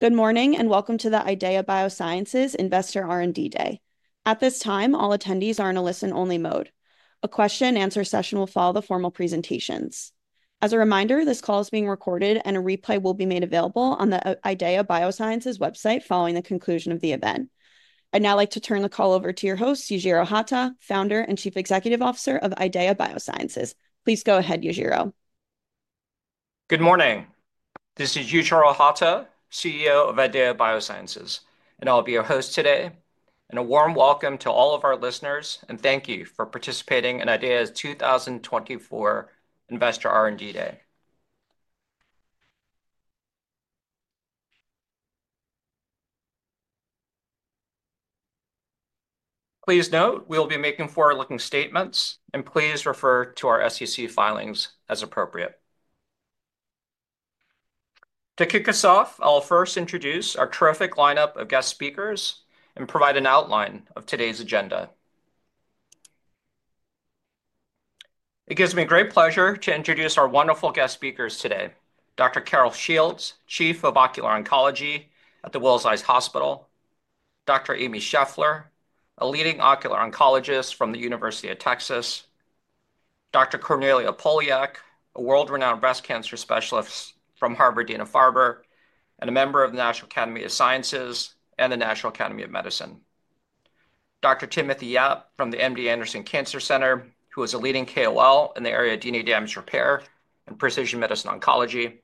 Good morning and welcome to the IDEAYA Biosciences Investor R&D Day. At this time, all attendees are in a listen-only mode. A question-and-answer session will follow the formal presentations. As a reminder, this call is being recorded, and a replay will be made available on the IDEAYA Biosciences website following the conclusion of the event. I'd now like to turn the call over to your host, Yujiro Hata, Founder and Chief Executive Officer of IDEAYA Biosciences. Please go ahead, Yujiro. Good morning. This is Yujiro Hata, CEO of IDEAYA Biosciences, and I'll be your host today, and a warm welcome to all of our listeners, and thank you for participating in IDEAYA's 2024 Investor R&D Day. Please note we will be making forward-looking statements, and please refer to our SEC filings as appropriate. To kick us off, I'll first introduce our terrific lineup of guest speakers and provide an outline of today's agenda. It gives me great pleasure to introduce our wonderful guest speakers today: Dr. Carol Shields, Chief of Ocular Oncology at the Wills Eye Hospital; Dr. Amy Scheffler, a leading ocular oncologist from the University of Texas; Dr. Kornelia Polyak, a world-renowned breast cancer specialist from Harvard Dana-Farber; and a member of the National Academy of Sciences and the National Academy of Medicine. Dr. Timothy Yap from the MD Anderson Cancer Center, who is a leading KOL in the area of DNA damage repair and precision medicine oncology,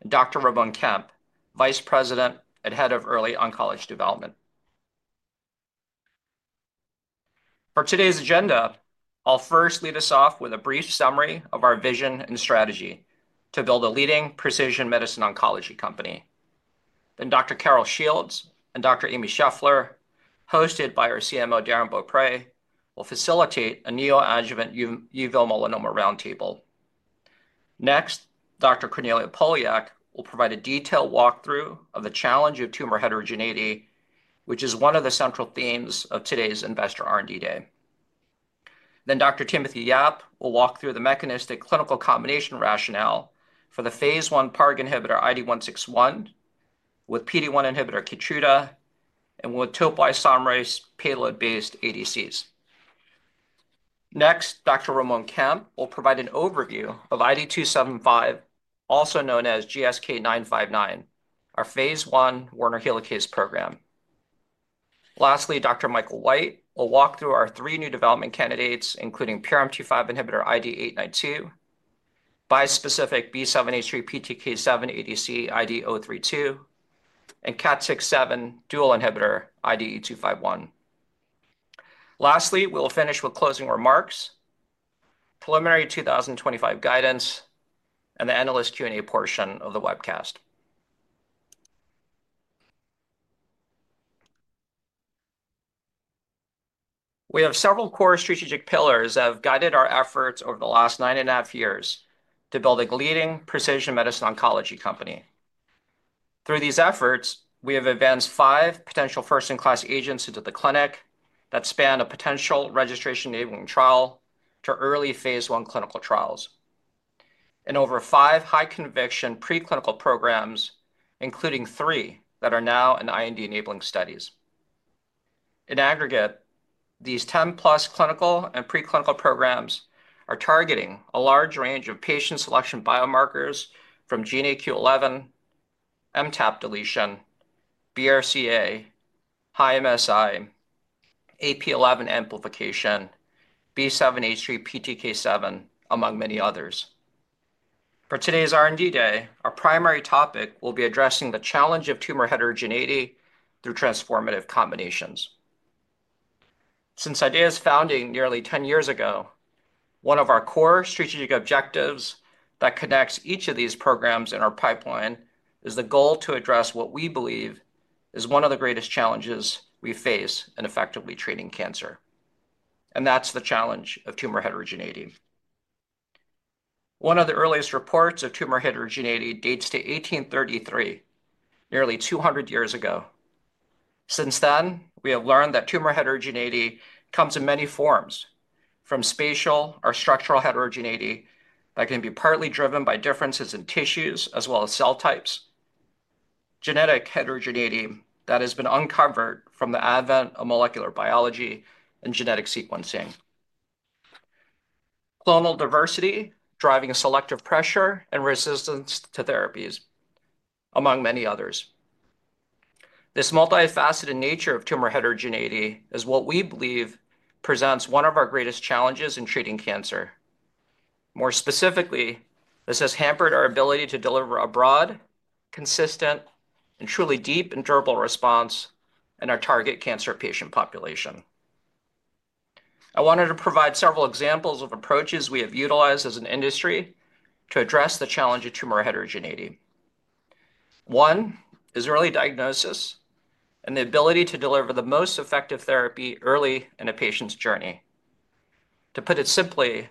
and Dr. Ramon Kemp, Vice President and Head of Early Oncology Development. For today's agenda, I'll first lead us off with a brief summary of our vision and strategy to build a leading precision medicine oncology company. Then Dr. Carol Shields and Dr. Amy Scheffler, hosted by our CMO, Darrin Beaupre, will facilitate a neoadjuvant uveal melanoma roundtable. Next, Dr. Kornelia Polyak will provide a detailed walkthrough of the challenge of tumor heterogeneity, which is one of the central themes of today's Investor R&D Day. Then Dr. Timothy Yap will walk through the mechanistic clinical combination rationale for the phase I PARG inhibitor IDE161 with PD-1 inhibitor Keytruda and with topoisomerase payload-based ADCs. Next, Dr. Ramon Kemp will provide an overview of IDE275, also known as GSK959, our phase I Werner helicase program. Lastly, Dr. Michael White will walk through our three new development candidates, including PRMT5 inhibitor IDE892, bispecific B7H3/PTK7 ADC IDE034, and KAT6/7 dual inhibitor IDE251. Lastly, we'll finish with closing remarks, preliminary 2025 guidance, and the endless Q&A portion of the webcast. We have several core strategic pillars that have guided our efforts over the last nine and a half years to build a leading precision medicine oncology company. Through these efforts, we have advanced five potential first-in-class agents into the clinic that span a potential registration-enabling trial to early phase I clinical trials and over five high-conviction preclinical programs, including three that are now in IND-enabling studies. In aggregate, these 10+ clinical and preclinical programs are targeting a large range of patient selection biomarkers from GNAQ/11, MTAP deletion, BRCA, high MSI, 8p11 amplification, B7H3/PTK7, among many others. For today's R&D Day, our primary topic will be addressing the challenge of tumor heterogeneity through transformative combinations. Since IDEAYA's founding nearly 10 years ago, one of our core strategic objectives that connects each of these programs in our pipeline is the goal to address what we believe is one of the greatest challenges we face in effectively treating cancer, and that's the challenge of tumor heterogeneity. One of the earliest reports of tumor heterogeneity dates to 1833, nearly 200 years ago. Since then, we have learned that tumor heterogeneity comes in many forms, from spatial or structural heterogeneity that can be partly driven by differences in tissues as well as cell types, genetic heterogeneity that has been uncovered from the advent of molecular biology and genetic sequencing, clonal diversity driving selective pressure and resistance to therapies, among many others. This multifaceted nature of tumor heterogeneity is what we believe presents one of our greatest challenges in treating cancer. More specifically, this has hampered our ability to deliver a broad, consistent, and truly deep and durable response in our target cancer patient population. I wanted to provide several examples of approaches we have utilized as an industry to address the challenge of tumor heterogeneity. One is early diagnosis and the ability to deliver the most effective therapy early in a patient's journey. To put it simply,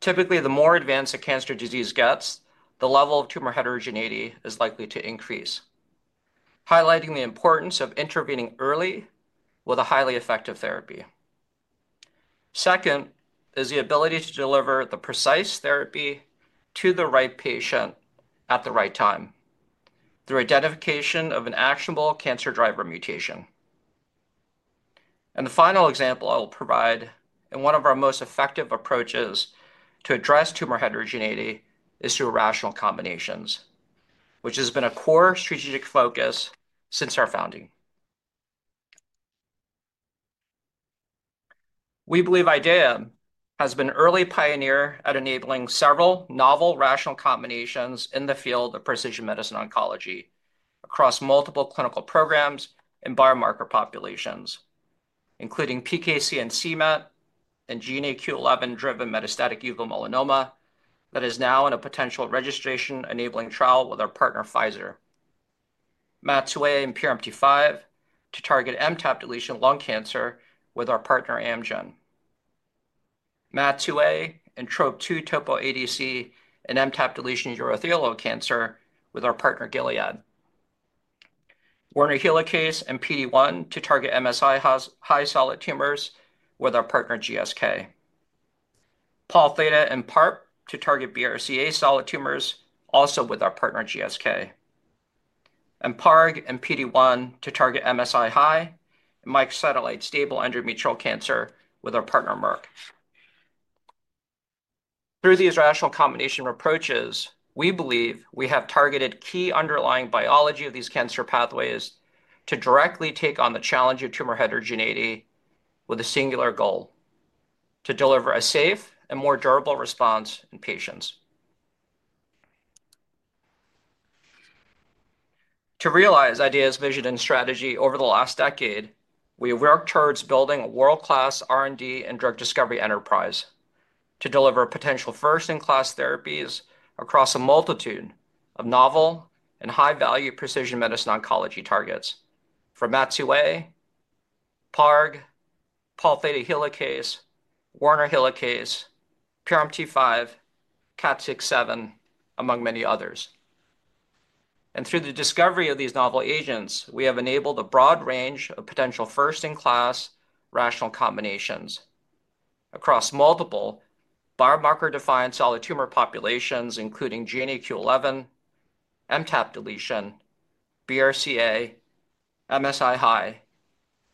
typically, the more advanced a cancer disease gets, the level of tumor heterogeneity is likely to increase, highlighting the importance of intervening early with a highly effective therapy. Second is the ability to deliver the precise therapy to the right patient at the right time through identification of an actionable cancer driver mutation. And the final example I'll provide in one of our most effective approaches to address tumor heterogeneity is through rational combinations, which has been a core strategic focus since our founding. We believe IDEAYA has been an early pioneer at enabling several novel rational combinations in the field of precision medicine oncology across multiple clinical programs and biomarker populations, including PKC and c-Met and GNAQ/11-driven metastatic uveal melanoma that is now in a potential registration-enabling trial with our partner Pfizer, MAT2A and PRMT5 to target MTAP deletion lung cancer with our partner Amgen, MAT2A and TROP2 Topo ADC and MTAP deletion urothelial cancer with our partner Gilead, Werner helicase and PD-1 to target MSI-High solid tumors with our partner GSK, Pol Theta and PARP to target BRCA solid tumors, also with our partner GSK, and PARG and PD-1 to target MSI-High and microsatellite stable endometrial cancer with our partner Merck. Through these rational combination approaches, we believe we have targeted key underlying biology of these cancer pathways to directly take on the challenge of tumor heterogeneity with a singular goal: to deliver a safe and more durable response in patients. To realize IDEAYA's vision and strategy over the last decade, we have worked towards building a world-class R&D and drug discovery enterprise to deliver potential first-in-class therapies across a multitude of novel and high-value precision medicine oncology targets for MAT2A, PARG, Pol Theta, Werner helicase, PRMT5, KAT6/7, among many others, and through the discovery of these novel agents, we have enabled a broad range of potential first-in-class rational combinations across multiple biomarker-defined solid tumor populations, including GNAQ/11, MTAP deletion, BRCA, MSI-High,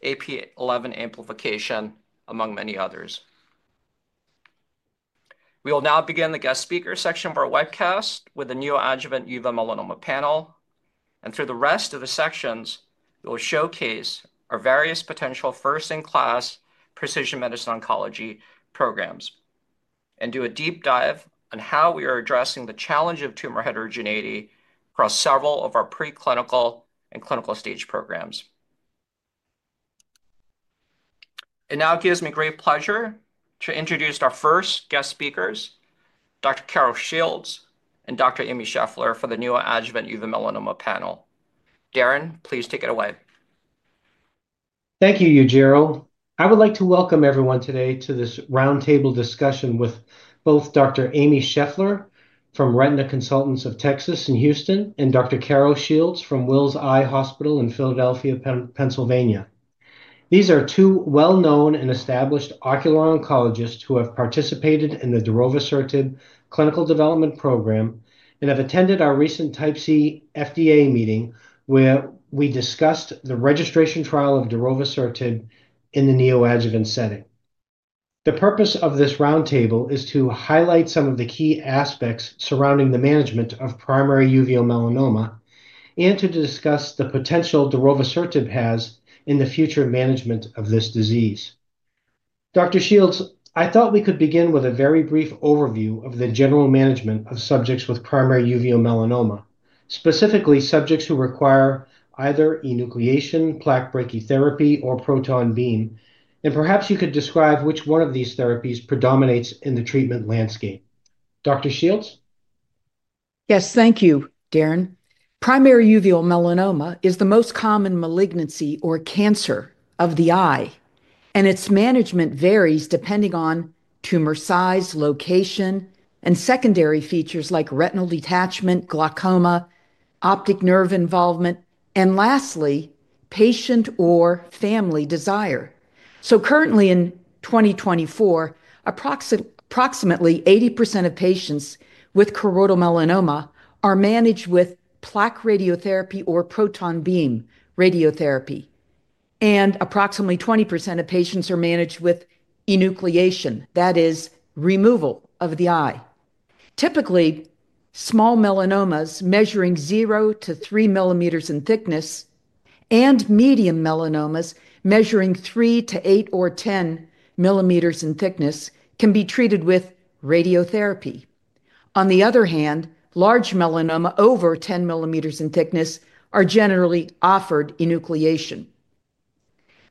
8p11 amplification, among many others. We will now begin the guest speaker section of our webcast with a neoadjuvant uveal melanoma panel, and through the rest of the sections, we will showcase our various potential first-in-class precision medicine oncology programs and do a deep dive on how we are addressing the challenge of tumor heterogeneity across several of our preclinical and clinical stage programs. It now gives me great pleasure to introduce our first guest speakers, Dr. Carol Shields and Dr. Amy Scheffler, for the neoadjuvant uveal melanoma panel. Darrin, please take it away. Thank you, Yujiro. I would like to welcome everyone today to this roundtable discussion with both Dr. Amy Scheffler from Retina Consultants of Texas in Houston and Dr. Carol Shields from Wills Eye Hospital in Philadelphia, Pennsylvania. These are two well-known and established ocular oncologists who have participated in the darovasertib clinical development program and have attended our recent Type C FDA meeting where we discussed the registration trial of darovasertib in the neoadjuvant setting. The purpose of this roundtable is to highlight some of the key aspects surrounding the management of primary uveal melanoma and to discuss the potential darovasertib has in the future management of this disease. Dr. Shields, I thought we could begin with a very brief overview of the general management of subjects with primary uveal melanoma, specifically subjects who require either enucleation, plaque brachytherapy, or proton beam. Perhaps you could describe which one of these therapies predominates in the treatment landscape, Dr. Shields? Yes, thank you, Darrin. Primary uveal melanoma is the most common malignancy or cancer of the eye, and its management varies depending on tumor size, location, and secondary features like retinal detachment, glaucoma, optic nerve involvement, and lastly, patient or family desire, so currently, in 2024, approximately 80% of patients with choroidal melanoma are managed with plaque radiotherapy or proton beam radiotherapy, and approximately 20% of patients are managed with enucleation, that is, removal of the eye. Typically, small melanomas measuring 0-3 millimeters in thickness and medium melanomas measuring 3-8 millimeters or 10 millimeters in thickness can be treated with radiotherapy. On the other hand, large melanoma over 10 millimeters in thickness are generally offered enucleation.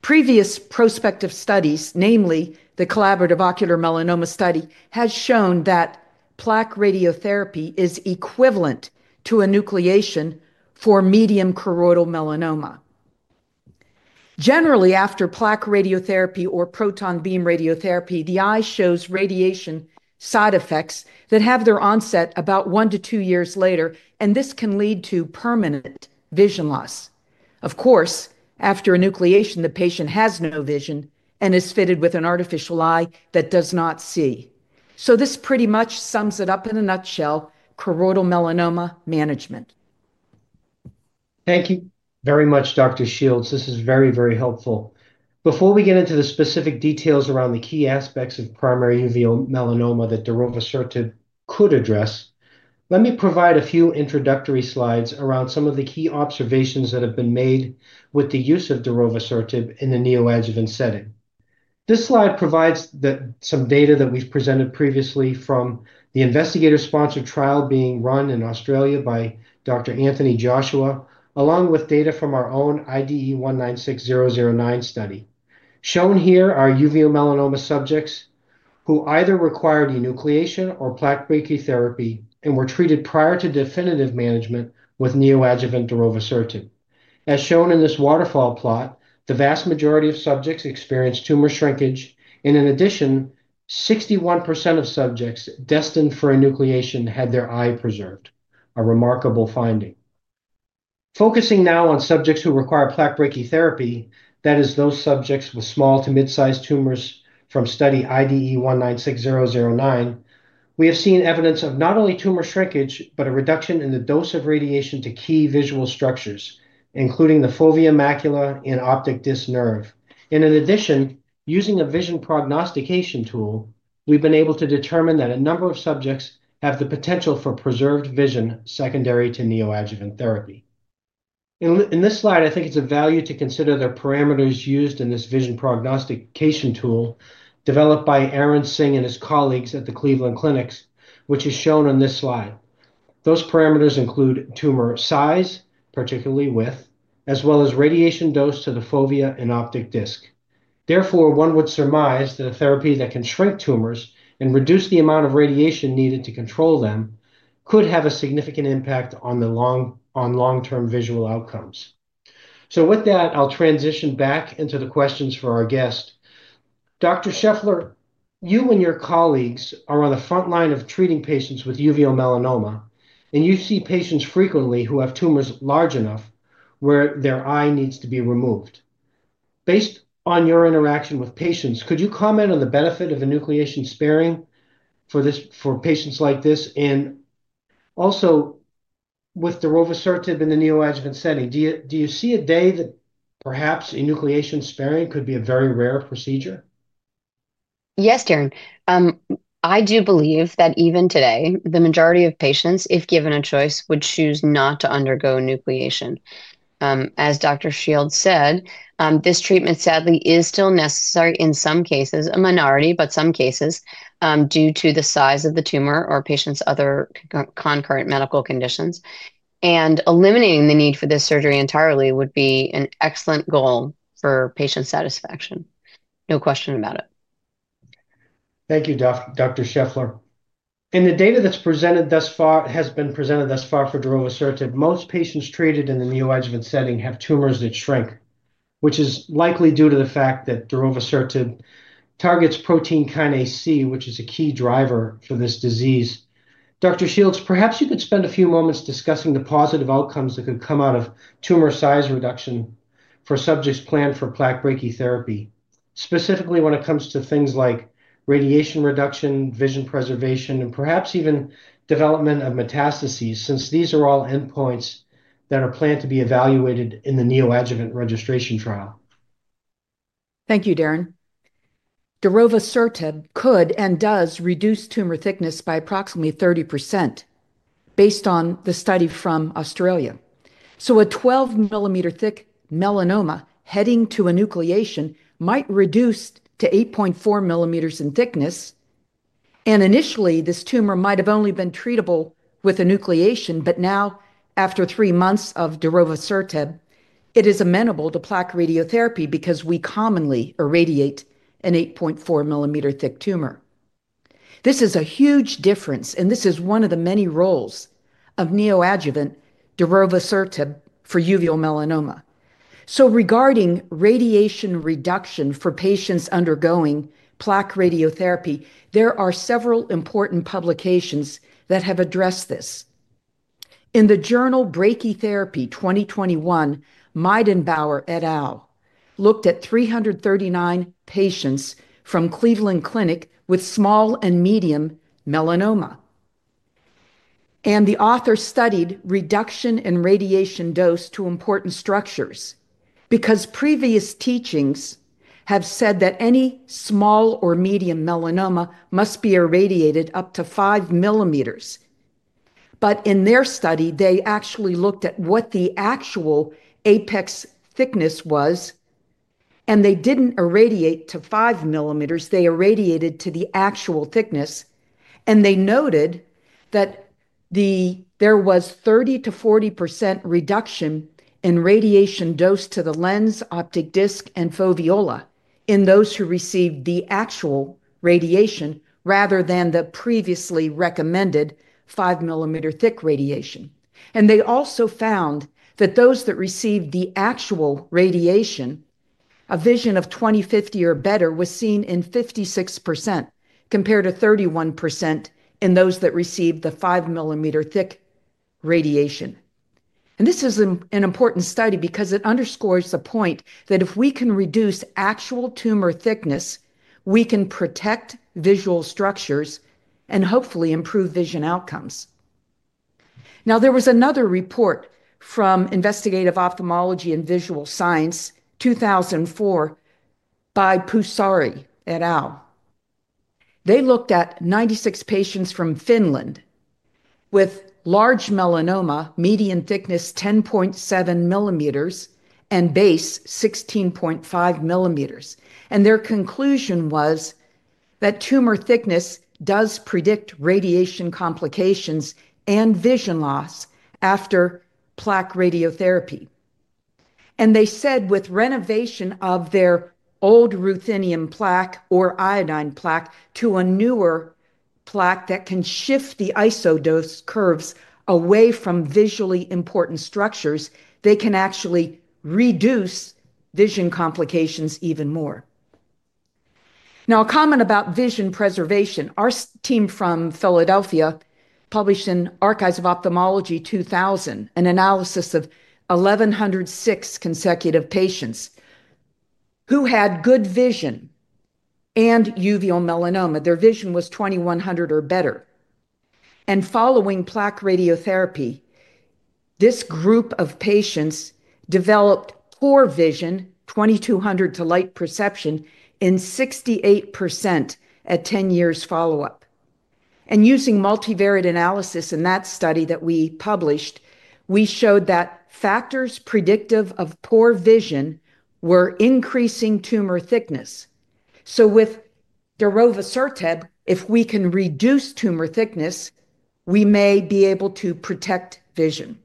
Previous prospective studies, namely the Collaborative Ocular Melanoma Study, have shown that plaque radiotherapy is equivalent to enucleation for medium choroidal melanoma. Generally, after plaque radiotherapy or proton beam radiotherapy, the eye shows radiation side effects that have their onset about one to two years later, and this can lead to permanent vision loss. Of course, after enucleation, the patient has no vision and is fitted with an artificial eye that does not see. So this pretty much sums it up in a nutshell: choroidal melanoma management. Thank you very much, Dr. Shields. This is very, very helpful. Before we get into the specific details around the key aspects of primary uveal melanoma that darovasertib could address, let me provide a few introductory slides around some of the key observations that have been made with the use of darovasertib in the neoadjuvant setting. This slide provides some data that we've presented previously from the investigator-sponsored trial being run in Australia by Dr. Anthony Joshua, along with data from our own IDE-196-009 study. Shown here are uveal melanoma subjects who either required enucleation or plaque brachytherapy and were treated prior to definitive management with neoadjuvant darovasertib. As shown in this waterfall plot, the vast majority of subjects experienced tumor shrinkage, and in addition, 61% of subjects destined for enucleation had their eye preserved, a remarkable finding. Focusing now on subjects who require plaque brachytherapy, that is, those subjects with small to mid-sized tumors from study IDE-196-009, we have seen evidence of not only tumor shrinkage, but a reduction in the dose of radiation to key visual structures, including the fovea, macula, and optic disc nerve, and in addition, using a vision prognostication tool, we've been able to determine that a number of subjects have the potential for preserved vision secondary to neoadjuvant therapy. In this slide, I think it's of value to consider the parameters used in this vision prognostication tool developed by Arun Singh and his colleagues at the Cleveland Clinic, which is shown on this slide. Those parameters include tumor size, particularly width, as well as radiation dose to the fovea and optic disc. Therefore, one would surmise that a therapy that can shrink tumors and reduce the amount of radiation needed to control them could have a significant impact on long-term visual outcomes. So with that, I'll transition back into the questions for our guest. Dr. Scheffler, you and your colleagues are on the front line of treating patients with uveal melanoma, and you see patients frequently who have tumors large enough where their eye needs to be removed. Based on your interaction with patients, could you comment on the benefit of enucleation sparing for patients like this? And also, with darovasertib in the neoadjuvant setting, do you see a day that perhaps enucleation sparing could be a very rare procedure? Yes, Darrin. I do believe that even today, the majority of patients, if given a choice, would choose not to undergo enucleation. As Dr. Shields said, this treatment sadly is still necessary in some cases, a minority, but some cases, due to the size of the tumor or patient's other concurrent medical conditions. And eliminating the need for this surgery entirely would be an excellent goal for patient satisfaction, no question about it. Thank you, Dr. Scheffler. In the data that's been presented thus far for darovasertib, most patients treated in the neoadjuvant setting have tumors that shrink, which is likely due to the fact that darovasertib targets protein kinase C, which is a key driver for this disease. Dr. Shields, perhaps you could spend a few moments discussing the positive outcomes that could come out of tumor size reduction for subjects planned for plaque brachytherapy, specifically when it comes to things like radiation reduction, vision preservation, and perhaps even development of metastases, since these are all endpoints that are planned to be evaluated in the neoadjuvant registration trial. Thank you, Darrin. darovasertib could and does reduce tumor thickness by approximately 30% based on the study from Australia. So a 12 millimeter thick melanoma heading to enucleation might reduce to 8.4 millimeters in thickness. And initially, this tumor might have only been treatable with enucleation, but now, after three months of darovasertib, it is amenable to plaque radiotherapy because we commonly irradiate an 8.4 millimeter thick tumor. This is a huge difference, and this is one of the many roles of neoadjuvant darovasertib for uveal melanoma. So regarding radiation reduction for patients undergoing plaque radiotherapy, there are several important publications that have addressed this. In the journal Brachytherapy 2021, Meidenbauer et al. looked at 339 patients from Cleveland Clinic with small and medium melanoma. The authors studied reduction in radiation dose to important structures because previous teachings have said that any small or medium melanoma must be irradiated up to 5 millimeters. In their study, they actually looked at what the actual apex thickness was, and they didn't irradiate to 5 millimeters. They irradiated to the actual thickness. They noted that there was 30%-40% reduction in radiation dose to the lens, optic disc, and foveola in those who received the actual radiation rather than the previously recommended 5 millimeter thick radiation. They also found that those that received the actual radiation, a vision of 20/50 or better, was seen in 56% compared to 31% in those that received the 5 millimeter thick radiation. This is an important study because it underscores the point that if we can reduce actual tumor thickness, we can protect visual structures and hopefully improve vision outcomes. Now, there was another report from Investigative Ophthalmology and Visual Science, 2004, by Puusaari et al. They looked at 96 patients from Finland with large melanoma, median thickness 10.7 millimeters and base 16.5 millimeters. Their conclusion was that tumor thickness does predict radiation complications and vision loss after plaque radiotherapy. They said with renovation of their old ruthenium plaque or iodine plaque to a newer plaque that can shift the isodose curves away from visually important structures, they can actually reduce vision complications even more. Now, a comment about vision preservation. Our team from Philadelphia published in Archives of Ophthalmology 2000 an analysis of 1,106 consecutive patients who had good vision and uveal melanoma. Their vision was 20/100 or better. Following plaque radiotherapy, this group of patients developed poor vision, 20/200 to light perception in 68% at 10 years follow-up. Using multivariate analysis in that study that we published, we showed that factors predictive of poor vision were increasing tumor thickness. With darovasertib, if we can reduce tumor thickness, we may be able to protect vision.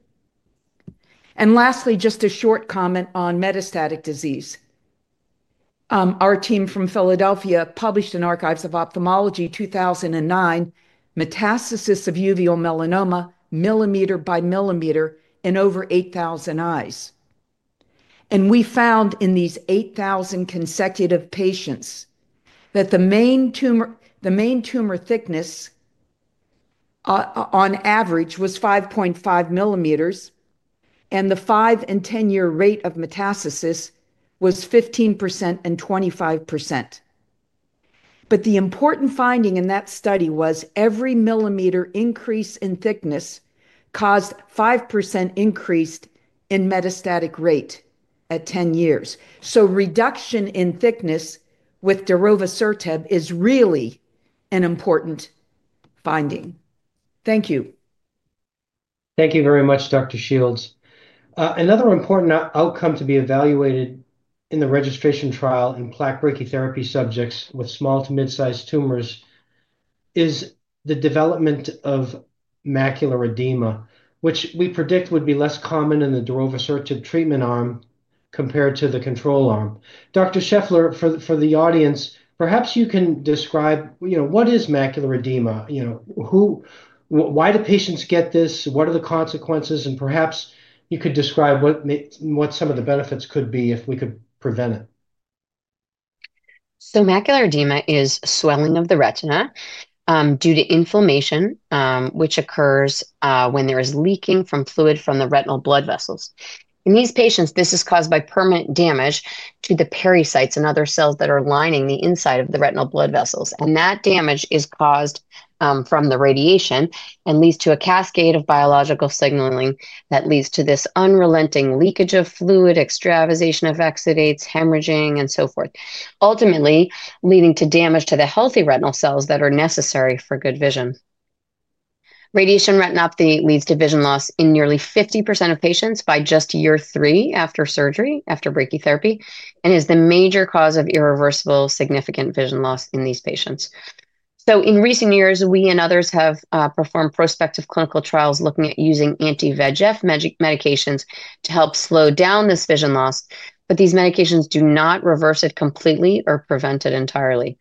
Lastly, just a short comment on metastatic disease. Our team from Philadelphia published in Archives of Ophthalmology 2009, "Metastasis of Uveal Melanoma, Millimeter by Millimeter in Over 8,000 Eyes." We found in these 8,000 consecutive patients that the mean tumor thickness on average was 5.5 millimeters, and the five and 10-year rate of metastasis was 15% and 25%. The important finding in that study was every millimeter increase in thickness caused 5% increase in metastatic rate at 10 years. So reduction in thickness with darovasertib is really an important finding. Thank you. Thank you very much, Dr. Shields. Another important outcome to be evaluated in the registration trial in plaque brachytherapy subjects with small to mid-sized tumors is the development of macular edema, which we predict would be less common in the darovasertib treatment arm compared to the control arm. Dr. Scheffler, for the audience, perhaps you can describe, you know, what is macular edema? Why do patients get this? What are the consequences? And perhaps you could describe what some of the benefits could be if we could prevent it. Macular edema is swelling of the retina due to inflammation, which occurs when there is leaking from fluid from the retinal blood vessels. In these patients, this is caused by permanent damage to the pericytes and other cells that are lining the inside of the retinal blood vessels. That damage is caused from the radiation and leads to a cascade of biological signaling that leads to this unrelenting leakage of fluid, extravasation of exudates, hemorrhaging, and so forth, ultimately leading to damage to the healthy retinal cells that are necessary for good vision. Radiation retinopathy leads to vision loss in nearly 50% of patients by just year three after surgery, after brachytherapy, and is the major cause of irreversible significant vision loss in these patients. In recent years, we and others have performed prospective clinical trials looking at using anti-VEGF medications to help slow down this vision loss, but these medications do not reverse it completely or prevent it entirely.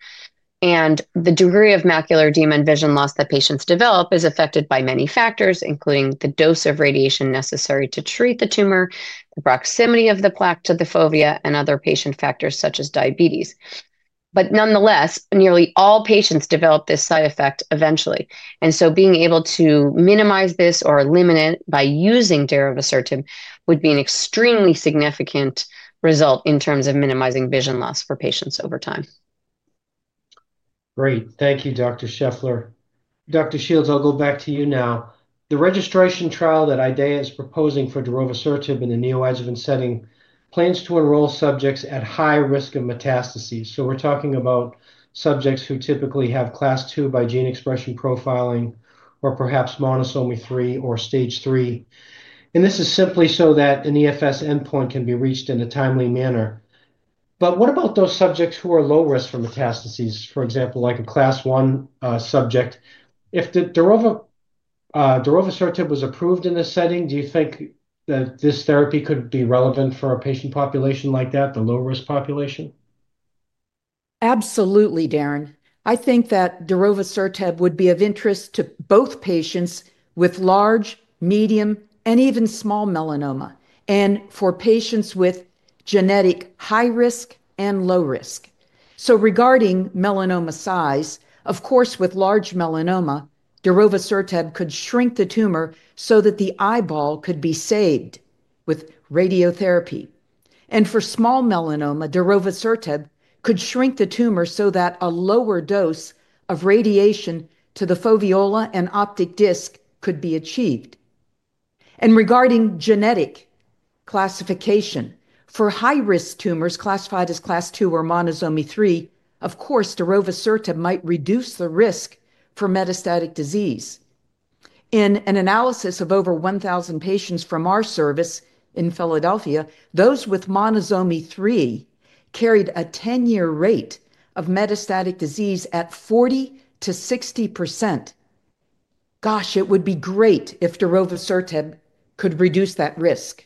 The degree of macular edema and vision loss that patients develop is affected by many factors, including the dose of radiation necessary to treat the tumor, the proximity of the plaque to the fovea, and other patient factors such as diabetes. Nonetheless, nearly all patients develop this side effect eventually. Being able to minimize this or eliminate it by using darovasertib would be an extremely significant result in terms of minimizing vision loss for patients over time. Great. Thank you, Dr. Scheffler. Dr. Shields, I'll go back to you now. The registration trial that IDEAYA is proposing for darovasertib in the neoadjuvant setting plans to enroll subjects at high risk of metastases. So we're talking about subjects who typically have Class II by gene expression profiling or perhaps monosomy 3 or stage III. And this is simply so that an EFS endpoint can be reached in a timely manner. But what about those subjects who are low risk for metastases, for example, like a Class I subject? If the darovasertib was approved in this setting, do you think that this therapy could be relevant for a patient population like that, the low-risk population? Absolutely, Darrin. I think that darovasertib would be of interest to both patients with large, medium, and even small melanoma, and for patients with genetic high risk and low risk. So regarding melanoma size, of course, with large melanoma, darovasertib could shrink the tumor so that the eyeball could be saved with radiotherapy. And for small melanoma, darovasertib could shrink the tumor so that a lower dose of radiation to the foveola and optic disc could be achieved. And regarding genetic classification, for high-risk tumors classified as Class II or monosomy 3, of course, darovasertib might reduce the risk for metastatic disease. In an analysis of over 1,000 patients from our service in Philadelphia, those with monosomy 3 carried a 10-year rate of metastatic disease at 40%-60%. Gosh, it would be great if darovasertib could reduce that risk.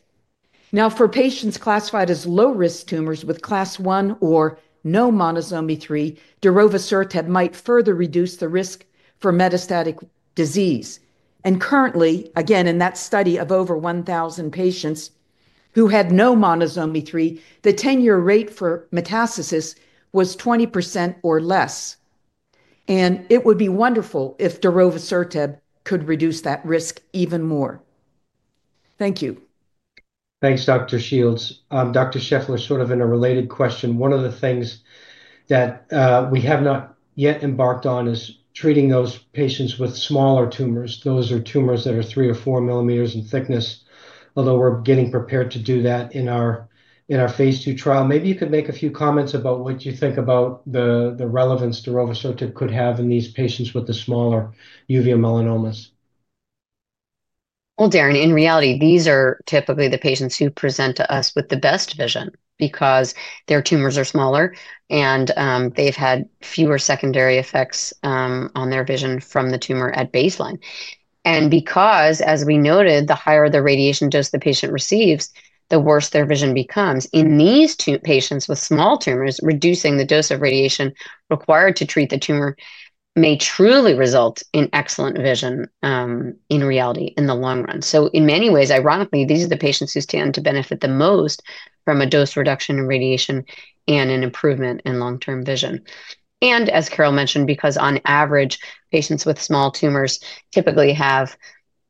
Now, for patients classified as low-risk tumors with Class I or no monosomy 3, darovasertib might further reduce the risk for metastatic disease. And currently, again, in that study of over 1,000 patients who had no monosomy 3, the 10-year rate for metastasis was 20% or less. And it would be wonderful if darovasertib could reduce that risk even more. Thank you. Thanks, Dr. Shields. Dr. Scheffler, sort of in a related question, one of the things that we have not yet embarked on is treating those patients with smaller tumors. Those are tumors that are 3 or 4 millimeters in thickness, although we're getting prepared to do that in our phase II trial. Maybe you could make a few comments about what you think about the relevance darovasertib could have in these patients with the smaller uveal melanomas. Well, Darrin, in reality, these are typically the patients who present to us with the best vision because their tumors are smaller and they've had fewer secondary effects on their vision from the tumor at baseline. And because, as we noted, the higher the radiation dose the patient receives, the worse their vision becomes. In these patients with small tumors, reducing the dose of radiation required to treat the tumor may truly result in excellent vision in reality in the long run. So in many ways, ironically, these are the patients who stand to benefit the most from a dose reduction in radiation and an improvement in long-term vision. As Carol mentioned, because on average, patients with small tumors typically have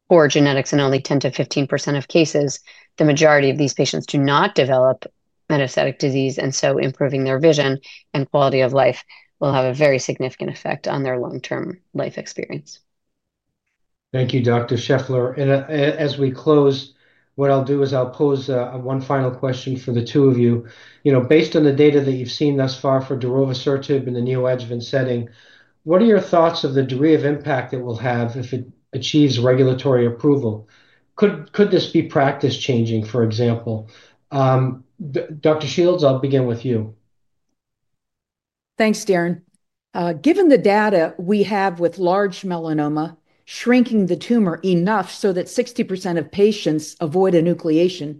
poor genetics in only 10%-15% of cases, the majority of these patients do not develop metastatic disease, and so improving their vision and quality of life will have a very significant effect on their long-term life experience. Thank you, Dr. Scheffler. As we close, what I'll do is I'll pose one final question for the two of you. You know, based on the data that you've seen thus far for darovasertib in the neoadjuvant setting, what are your thoughts of the degree of impact it will have if it achieves regulatory approval? Could this be practice-changing, for example? Dr. Shields, I'll begin with you. Thanks, Darrin. Given the data we have with large melanoma, shrinking the tumor enough so that 60% of patients avoid enucleation,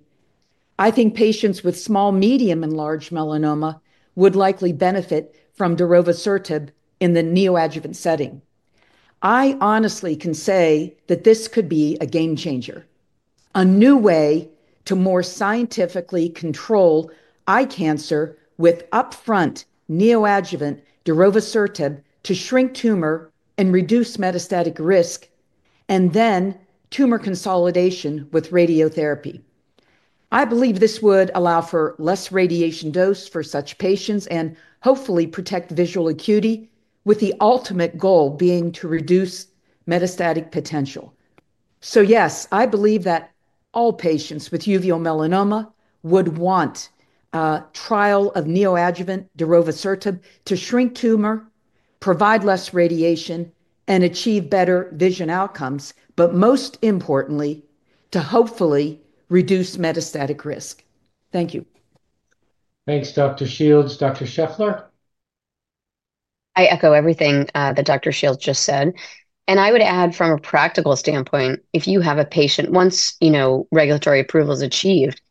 I think patients with small, medium, and large melanoma would likely benefit from darovasertib in the neoadjuvant setting. I honestly can say that this could be a game changer, a new way to more scientifically control eye cancer with upfront neoadjuvant darovasertib to shrink tumor and reduce metastatic risk, and then tumor consolidation with radiotherapy. I believe this would allow for less radiation dose for such patients and hopefully protect visual acuity, with the ultimate goal being to reduce metastatic potential. So yes, I believe that all patients with uveal melanoma would want a trial of neoadjuvant darovasertib to shrink tumor, provide less radiation, and achieve better vision outcomes, but most importantly, to hopefully reduce metastatic risk. Thank you. Thanks, Dr. Shields. Dr. Scheffler? I echo everything that Dr. Shields just said, and I would add from a practical standpoint, if you have a patient, once you know regulatory approval is achieved,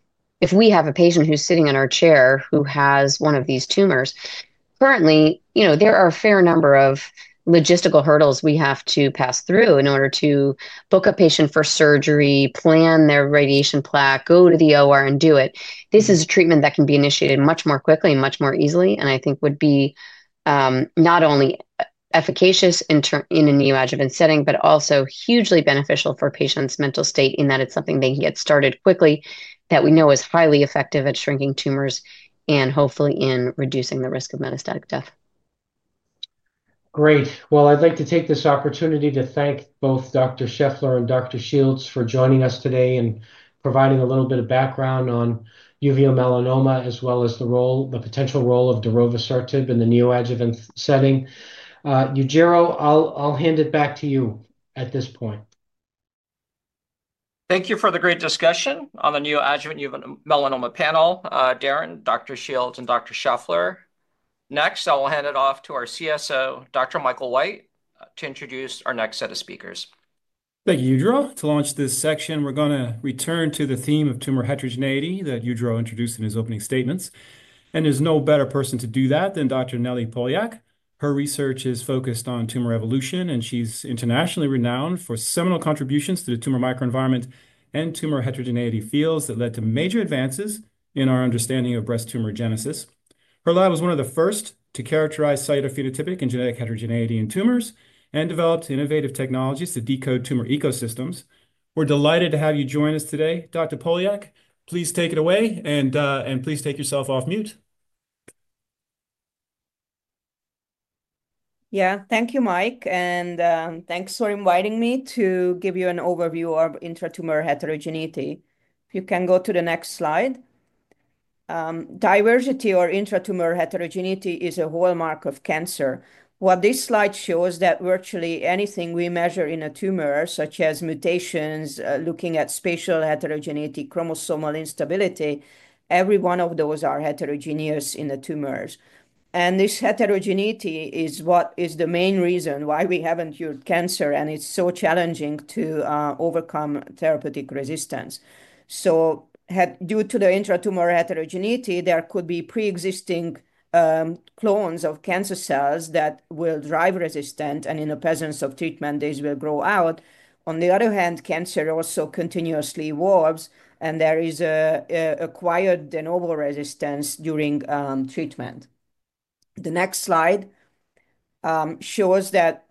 if we have a patient who's sitting in our chair who has one of these tumors, currently, you know, there are a fair number of logistical hurdles we have to pass through in order to book a patient for surgery, plan their radiation plaque, go to the OR, and do it. This is a treatment that can be initiated much more quickly and much more easily, and I think would be not only efficacious in a neoadjuvant setting, but also hugely beneficial for patients' mental state in that it's something they can get started quickly that we know is highly effective at shrinking tumors and hopefully in reducing the risk of metastatic death. Great. I'd like to take this opportunity to thank both Dr. Scheffler and Dr. Shields for joining us today and providing a little bit of background on uveal melanoma as well as the potential role of darovasertib in the neoadjuvant setting. Yujiro, I'll hand it back to you at this point. Thank you for the great discussion on the neoadjuvant uveal melanoma panel, Darrin, Dr. Shields, and Dr. Scheffler. Next, I will hand it off to our CSO, Dr. Michael White, to introduce our next set of speakers. Thank you, Yujiro. To launch this section, we're going to return to the theme of tumor heterogeneity that Yujiro introduced in his opening statements, and there's no better person to do that than Dr. Kornelia Polyak. Her research is focused on tumor evolution, and she's internationally renowned for seminal contributions to the tumor microenvironment and tumor heterogeneity fields that led to major advances in our understanding of breast tumor genesis. Her lab was one of the first to characterize cytophenotypic and genetic heterogeneity in tumors and developed innovative technologies to decode tumor ecosystems. We're delighted to have you join us today. Dr. Polyak, please take it away, and please take yourself off mute. Yeah, thank you, Mike, and thanks for inviting me to give you an overview of intratumor heterogeneity. If you can go to the next slide. Diversity or intratumor heterogeneity is a hallmark of cancer. What this slide shows is that virtually anything we measure in a tumor, such as mutations, looking at spatial heterogeneity, chromosomal instability, every one of those are heterogeneous in the tumors. And this heterogeneity is what is the main reason why we haven't cured cancer, and it's so challenging to overcome therapeutic resistance. So due to the intratumor heterogeneity, there could be pre-existing clones of cancer cells that will drive resistance, and in the presence of treatment, these will grow out. On the other hand, cancer also continuously evolves, and there is acquired de novo resistance during treatment. The next slide shows that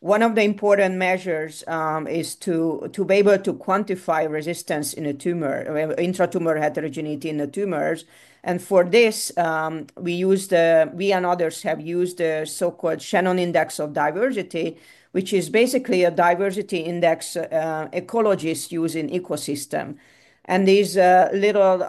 one of the important measures is to be able to quantify resistance in a tumor, intratumor heterogeneity in the tumors. And for this, we and others have used the so-called Shannon Index of diversity, which is basically a diversity index ecologists use in ecosystems. And these little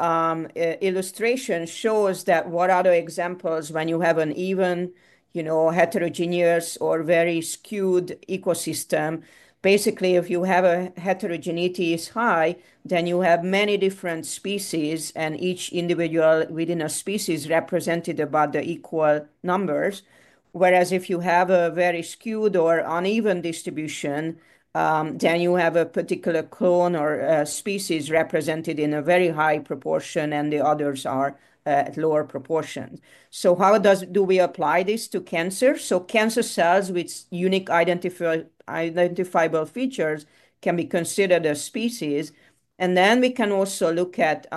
illustrations show us that what are the examples when you have an even, you know, heterogeneous or very skewed ecosystem. Basically, if you have a heterogeneity is high, then you have many different species, and each individual within a species represented about the equal numbers. Whereas if you have a very skewed or uneven distribution, then you have a particular clone or a species represented in a very high proportion, and the others are at lower proportions. So how do we apply this to cancer? Cancer cells with unique identifiable features can be considered a species. We can also look at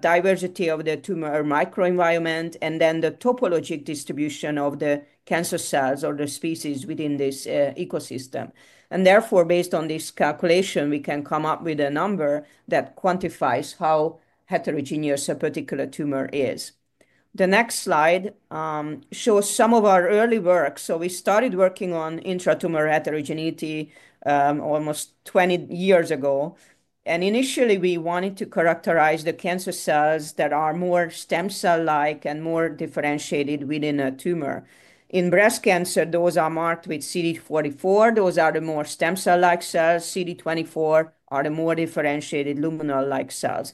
diversity of the tumor microenvironment and then the topological distribution of the cancer cells or the species within this ecosystem. Therefore, based on this calculation, we can come up with a number that quantifies how heterogeneous a particular tumor is. The next slide shows some of our early work. We started working on intratumor heterogeneity almost 20 years ago. Initially, we wanted to characterize the cancer cells that are more stem cell-like and more differentiated within a tumor. In breast cancer, those are marked with CD44. Those are the more stem cell-like cells. CD24 are the more differentiated luminal-like cells.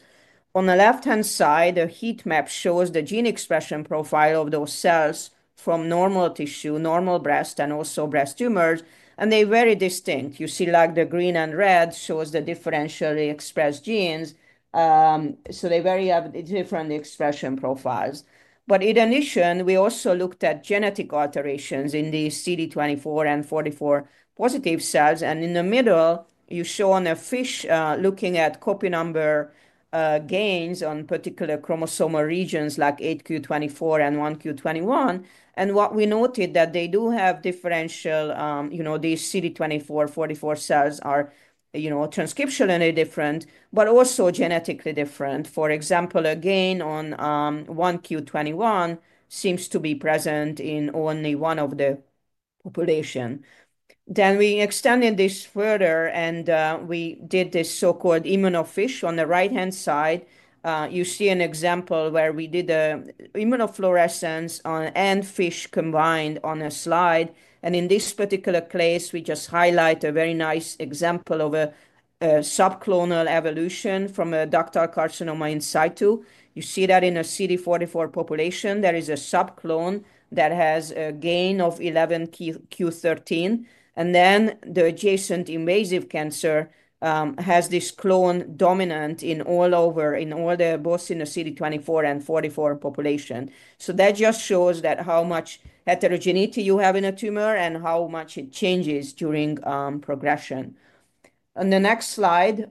On the left-hand side, the heat map shows the gene expression profile of those cells from normal tissue, normal breast, and also breast tumors. They're very distinct. You see, like the green and red shows the differentially expressed genes. So they vary have different expression profiles. But in addition, we also looked at genetic alterations in the CD24 and CD44 positive cells. And in the middle, you show on a FISH looking at copy number gains on particular chromosomal regions like 8q24 and 1q21. And what we noted that they do have differential, you know, these CD24 and CD44 cells are, you know, transcriptionally different, but also genetically different. For example, a gain on 1q21 seems to be present in only one of the population. Then we extended this further, and we did this so-called ImmunoFISH on the right-hand side. You see an example where we did an immunofluorescence and FISH combined on a slide. And in this particular case, we just highlight a very nice example of a subclonal evolution from a ductal carcinoma in situ. You see that in a CD44 population, there is a subclone that has a gain of 11q13. Then the adjacent invasive cancer has this clone dominant in all over, in all the both in the CD24 and 44 population. That just shows how much heterogeneity you have in a tumor and how much it changes during progression. On the next slide,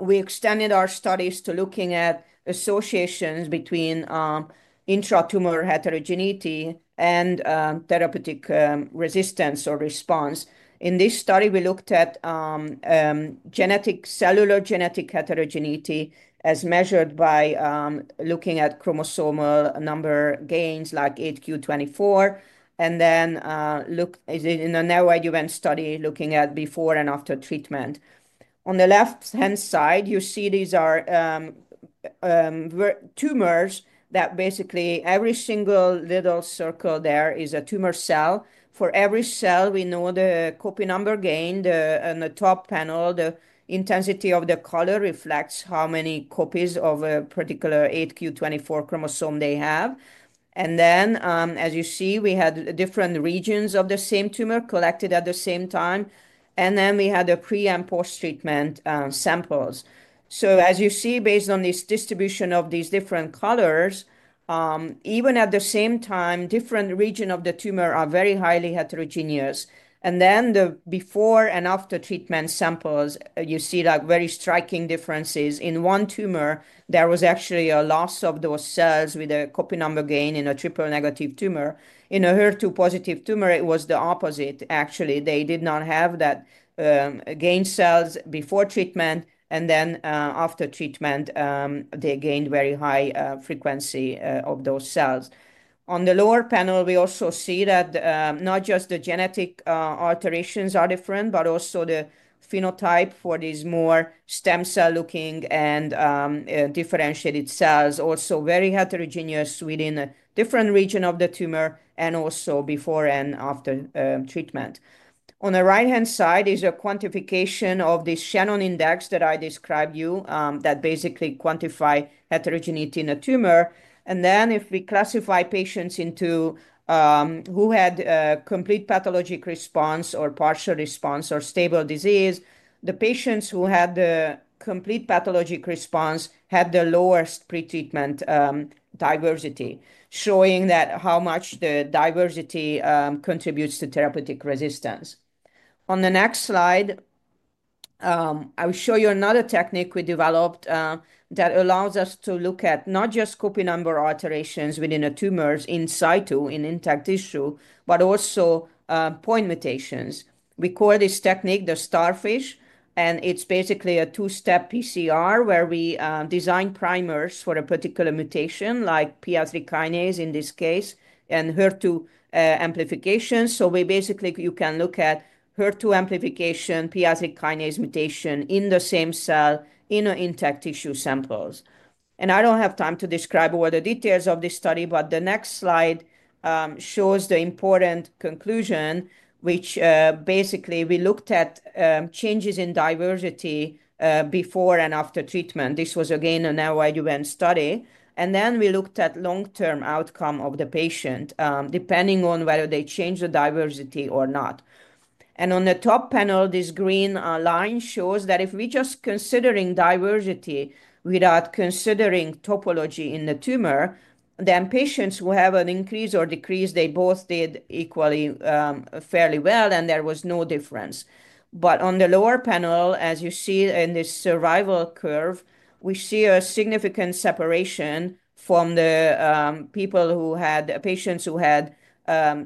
we extended our studies to looking at associations between intratumor heterogeneity and therapeutic resistance or response. In this study, we looked at cellular genetic heterogeneity as measured by looking at chromosomal number gains like 8q24, and then looked in a neoadjuvant study looking at before and after treatment. On the left-hand side, you see these are tumors that basically every single little circle there is a tumor cell. For every cell, we know the copy number gain on the top panel. The intensity of the color reflects how many copies of a particular 8q24 chromosome they have. And then, as you see, we had different regions of the same tumor collected at the same time. And then we had the pre and post-treatment samples. So as you see, based on this distribution of these different colors, even at the same time, different regions of the tumor are very highly heterogeneous. And then the before and after treatment samples, you see like very striking differences. In one tumor, there was actually a loss of those cells with a copy number gain in a triple negative tumor. In a HER2 positive tumor, it was the opposite. Actually, they did not have that gain cells before treatment, and then after treatment, they gained very high frequency of those cells. On the lower panel, we also see that not just the genetic alterations are different, but also the phenotype for these more stem cell-looking and differentiated cells also very heterogeneous within a different region of the tumor and also before and after treatment. On the right-hand side is a quantification of this Shannon Index that I described to you that basically quantifies heterogeneity in a tumor. And then if we classify patients into who had complete pathologic response or partial response or stable disease, the patients who had the complete pathologic response had the lowest pretreatment diversity, showing that how much the diversity contributes to therapeutic resistance. On the next slide, I will show you another technique we developed that allows us to look at not just copy number alterations within the tumors in situ, in intact tissue, but also point mutations. We call this technique the STAR-FISH, and it's basically a two-step PCR where we design primers for a particular mutation like PI3 kinase in this case and HER2 amplification. So we basically, you can look at HER2 amplification, PI3 kinase mutation in the same cell in intact tissue samples. And I don't have time to describe all the details of this study, but the next slide shows the important conclusion, which basically we looked at changes in diversity before and after treatment. This was again a neoadjuvant study. And then we looked at long-term outcome of the patient depending on whether they change the diversity or not. And on the top panel, this green line shows that if we're just considering diversity without considering topology in the tumor, then patients who have an increase or decrease, they both did equally fairly well, and there was no difference. But on the lower panel, as you see in this survival curve, we see a significant separation from the people who had patients who had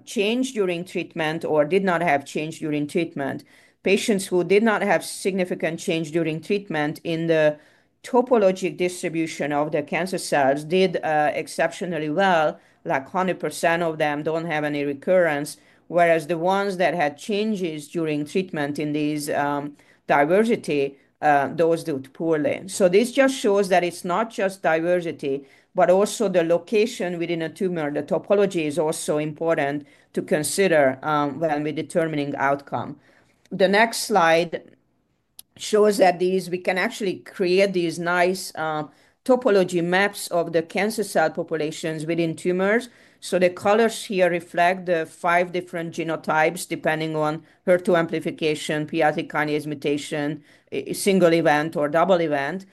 changed during treatment or did not have change during treatment. Patients who did not have significant change during treatment in the topological distribution of the cancer cells did exceptionally well, like 100% of them don't have any recurrence, whereas the ones that had changes during treatment in this diversity, those do poorly. So this just shows that it's not just diversity, but also the location within a tumor. The topology is also important to consider when we're determining outcome. The next slide shows that we can actually create these nice topology maps of the cancer cell populations within tumors. So the colors here reflect the five different genotypes depending on HER2 amplification, PI3 kinase mutation, single event, or double event.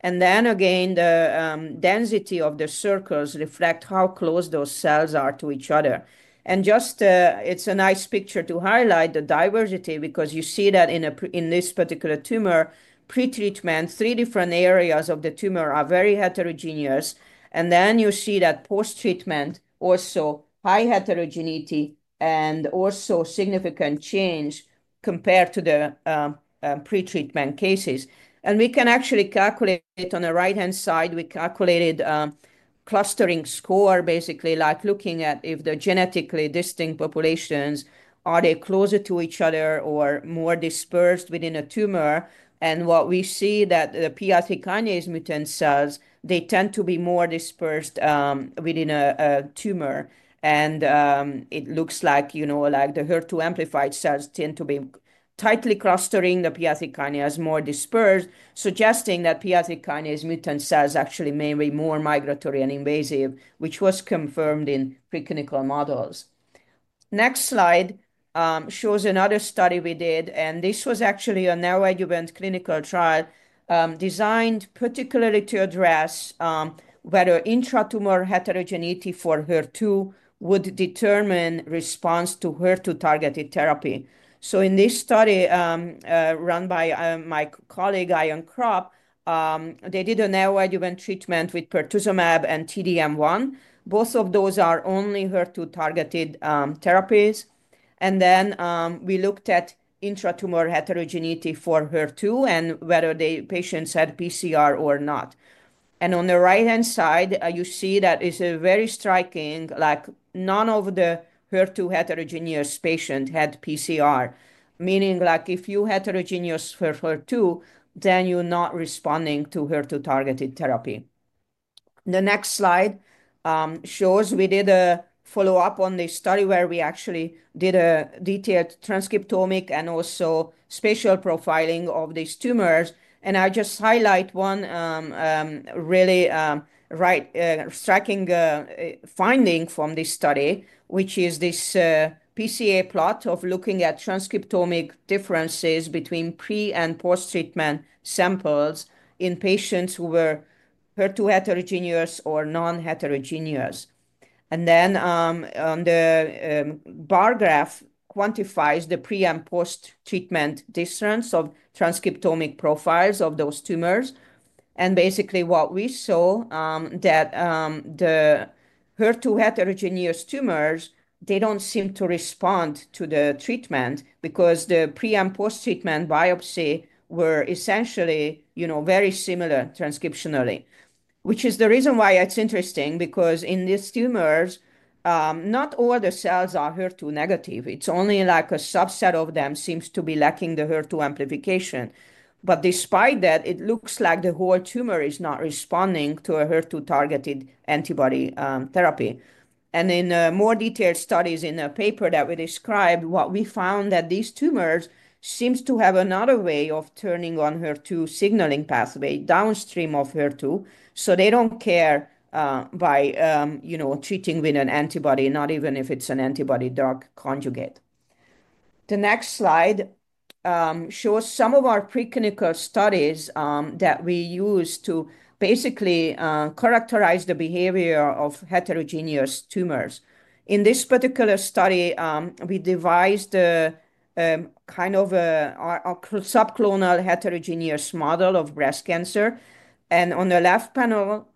And then again, the density of the circles reflects how close those cells are to each other. And just, it's a nice picture to highlight the diversity because you see that in this particular tumor, pretreatment, three different areas of the tumor are very heterogeneous. And then you see that post-treatment, also high heterogeneity and also significant change compared to the pretreatment cases. And we can actually calculate on the right-hand side. We calculated clustering score, basically like looking at if the genetically distinct populations are they closer to each other or more dispersed within a tumor. And what we see that the PI3 kinase mutant cells, they tend to be more dispersed within a tumor. It looks like, you know, like the HER2 amplified cells tend to be tightly clustering, the PI3 kinase more dispersed, suggesting that PI3 kinase mutant cells actually may be more migratory and invasive, which was confirmed in preclinical models. Next slide shows another study we did, and this was actually a neoadjuvant clinical trial designed particularly to address whether intratumor heterogeneity for HER2 would determine response to HER2 targeted therapy. In this study run by my colleague Ian Krop, they did a neoadjuvant treatment with pertuzumab and T-DM1. Both of those are only HER2 targeted therapies. And then we looked at intratumor heterogeneity for HER2 and whether the patients had PCR or not. And on the right-hand side, you see that it's very striking, like none of the HER2 heterogeneous patients had PCR, meaning like if you're heterogeneous for HER2, then you're not responding to HER2 targeted therapy. The next slide shows we did a follow-up on this study where we actually did a detailed transcriptomic and also spatial profiling of these tumors. And I just highlight one really striking finding from this study, which is this PCA plot of looking at transcriptomic differences between pre and post-treatment samples in patients who were HER2 heterogeneous or non-heterogeneous. And then on the bar graph quantifies the pre and post-treatment difference of transcriptomic profiles of those tumors. And basically what we saw that the HER2 heterogeneous tumors, they don't seem to respond to the treatment because the pre and post-treatment biopsy were essentially, you know, very similar transcriptionally, which is the reason why it's interesting because in these tumors, not all the cells are HER2 negative. It's only like a subset of them seems to be lacking the HER2 amplification. But despite that, it looks like the whole tumor is not responding to a HER2 targeted antibody therapy. And in more detailed studies in a paper that we described, what we found that these tumors seem to have another way of turning on HER2 signaling pathway downstream of HER2. So they don't care by, you know, treating with an antibody, not even if it's an antibody drug conjugate. The next slide shows some of our preclinical studies that we use to basically characterize the behavior of heterogeneous tumors. In this particular study, we devised a kind of a subclonal heterogeneous model of breast cancer. On the left panel,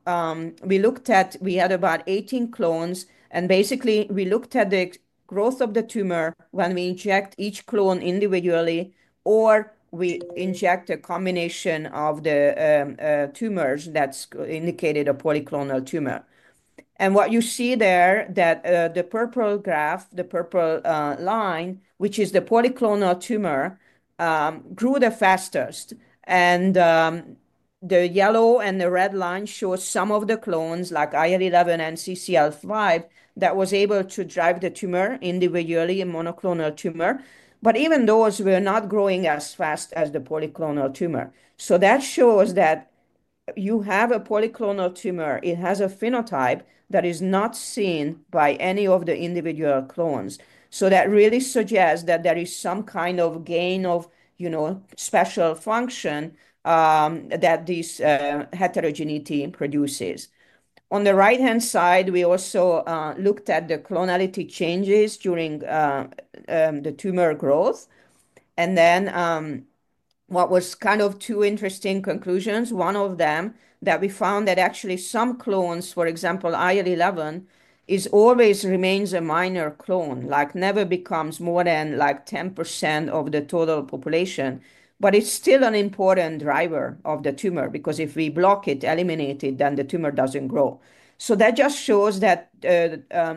we looked at, we had about 18 clones. Basically, we looked at the growth of the tumor when we inject each clone individually or we inject a combination of the tumors that indicated a polyclonal tumor. What you see there, that the purple graph, the purple line, which is the polyclonal tumor, grew the fastest. The yellow and the red line shows some of the clones like IL-11 and CCL5 that was able to drive the tumor individually in monoclonal tumor, but even those were not growing as fast as the polyclonal tumor. So that shows that you have a polyclonal tumor. It has a phenotype that is not seen by any of the individual clones. So that really suggests that there is some kind of gain of, you know, special function that this heterogeneity produces. On the right-hand side, we also looked at the clonality changes during the tumor growth. And then what was kind of two interesting conclusions, one of them that we found that actually some clones, for example, IL-11 is always remains a minor clone, like never becomes more than like 10% of the total population, but it's still an important driver of the tumor because if we block it, eliminate it, then the tumor doesn't grow. So that just shows that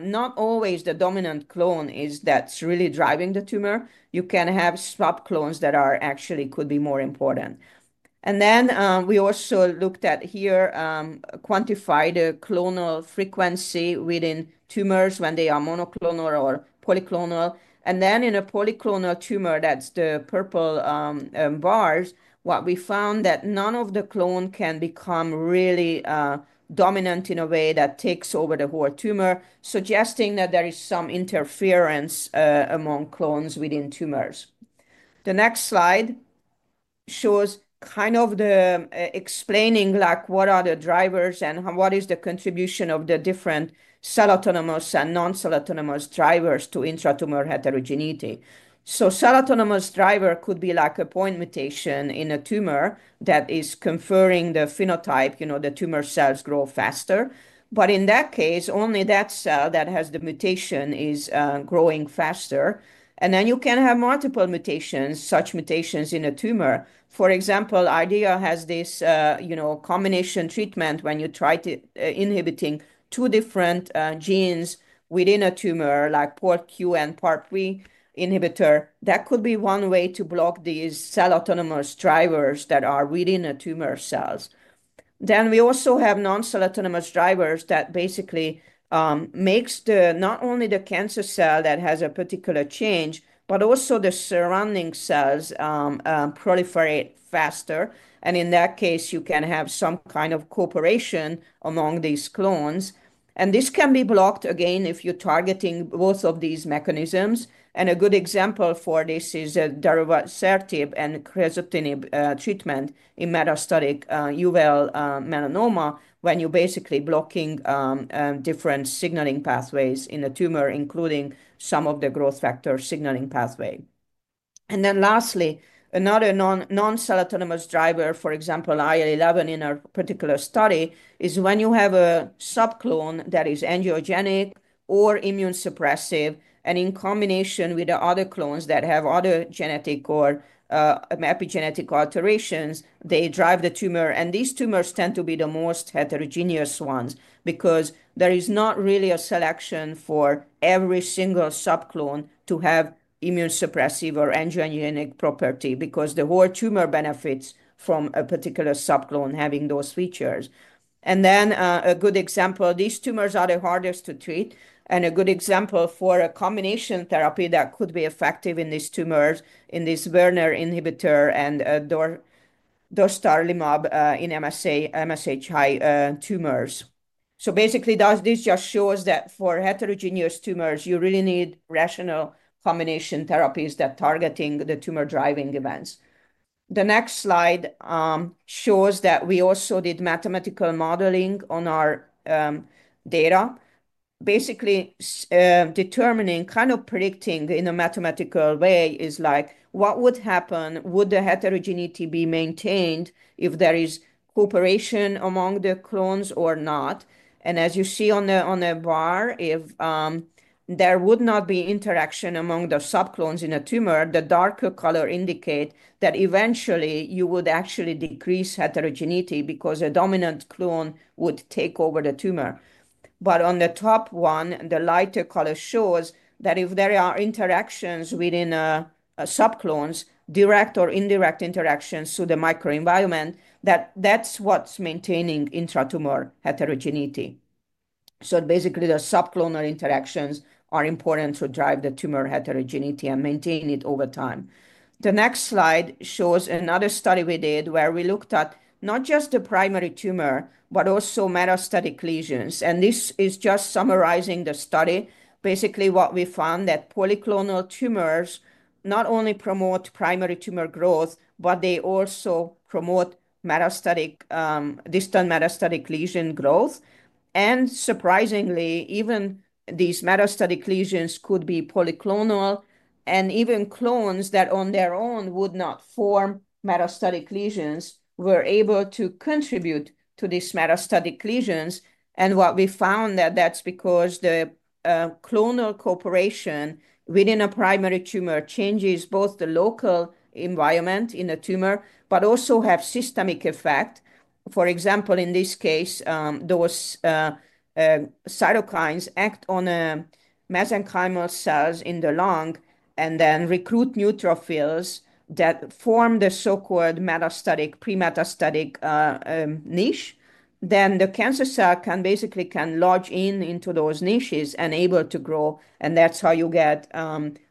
not always the dominant clone is that's really driving the tumor. You can have subclones that actually could be more important. And then we also looked at here quantify the clonal frequency within tumors when they are monoclonal or polyclonal. And then in a polyclonal tumor, that's the purple bars, what we found that none of the clone can become really dominant in a way that takes over the whole tumor, suggesting that there is some interference among clones within tumors. The next slide shows kind of the explaining like what are the drivers and what is the contribution of the different cell autonomous and non-cell autonomous drivers to intratumor heterogeneity. So a cell autonomous driver could be like a point mutation in a tumor that is conferring the phenotype, you know, the tumor cells grow faster. But in that case, only that cell that has the mutation is growing faster. And then you can have multiple mutations, such mutations in a tumor. For example, IDEAYA has this, you know, combination treatment when you try to inhibit two different genes within a tumor like PARP and PARG inhibitor. That could be one way to block these cell-autonomous drivers that are within the tumor cells. Then we also have non-cell-autonomous drivers that basically makes not only the cancer cell that has a particular change, but also the surrounding cells proliferate faster. And in that case, you can have some kind of cooperation among these clones. And this can be blocked again if you're targeting both of these mechanisms. And a good example for this is darovasertib and crizotinib treatment in metastatic uveal melanoma when you're basically blocking different signaling pathways in a tumor, including some of the growth factor signaling pathway. Then lastly, another non-cell-autonomous driver, for example, IL-11 in a particular study is when you have a subclone that is angiogenic or immunosuppressive and in combination with the other clones that have other genetic or epigenetic alterations, they drive the tumor. These tumors tend to be the most heterogeneous ones because there is not really a selection for every single subclone to have immunosuppressive or angiogenic property because the whole tumor benefits from a particular subclone having those features. Then a good example, these tumors are the hardest to treat and a good example for a combination therapy that could be effective in these tumors is this Werner inhibitor and dostarlimab in MSI-High tumors. Basically, this just shows that for heterogeneous tumors, you really need rational combination therapies that target the tumor driving events. The next slide shows that we also did mathematical modeling on our data, basically determining kind of predicting in a mathematical way, like what would happen. Would the heterogeneity be maintained if there is cooperation among the clones or not? And as you see on the bar, if there would not be interaction among the subclones in a tumor, the darker color indicates that eventually you would actually decrease heterogeneity because a dominant clone would take over the tumor. But on the top one, the lighter color shows that if there are interactions within subclones, direct or indirect interactions to the microenvironment, that's what's maintaining intratumor heterogeneity. So basically, the subclonal interactions are important to drive the tumor heterogeneity and maintain it over time. The next slide shows another study we did where we looked at not just the primary tumor, but also metastatic lesions. This is just summarizing the study. Basically, what we found that polyclonal tumors not only promote primary tumor growth, but they also promote metastatic, distant metastatic lesion growth. Surprisingly, even these metastatic lesions could be polyclonal. Even clones that on their own would not form metastatic lesions were able to contribute to these metastatic lesions. What we found that that's because the clonal cooperation within a primary tumor changes both the local environment in a tumor, but also have systemic effect. For example, in this case, those cytokines act on mesenchymal cells in the lung and then recruit neutrophils that form the so-called metastatic, pre-metastatic niche. The cancer cell can basically lodge into those niches and able to grow. That's how you get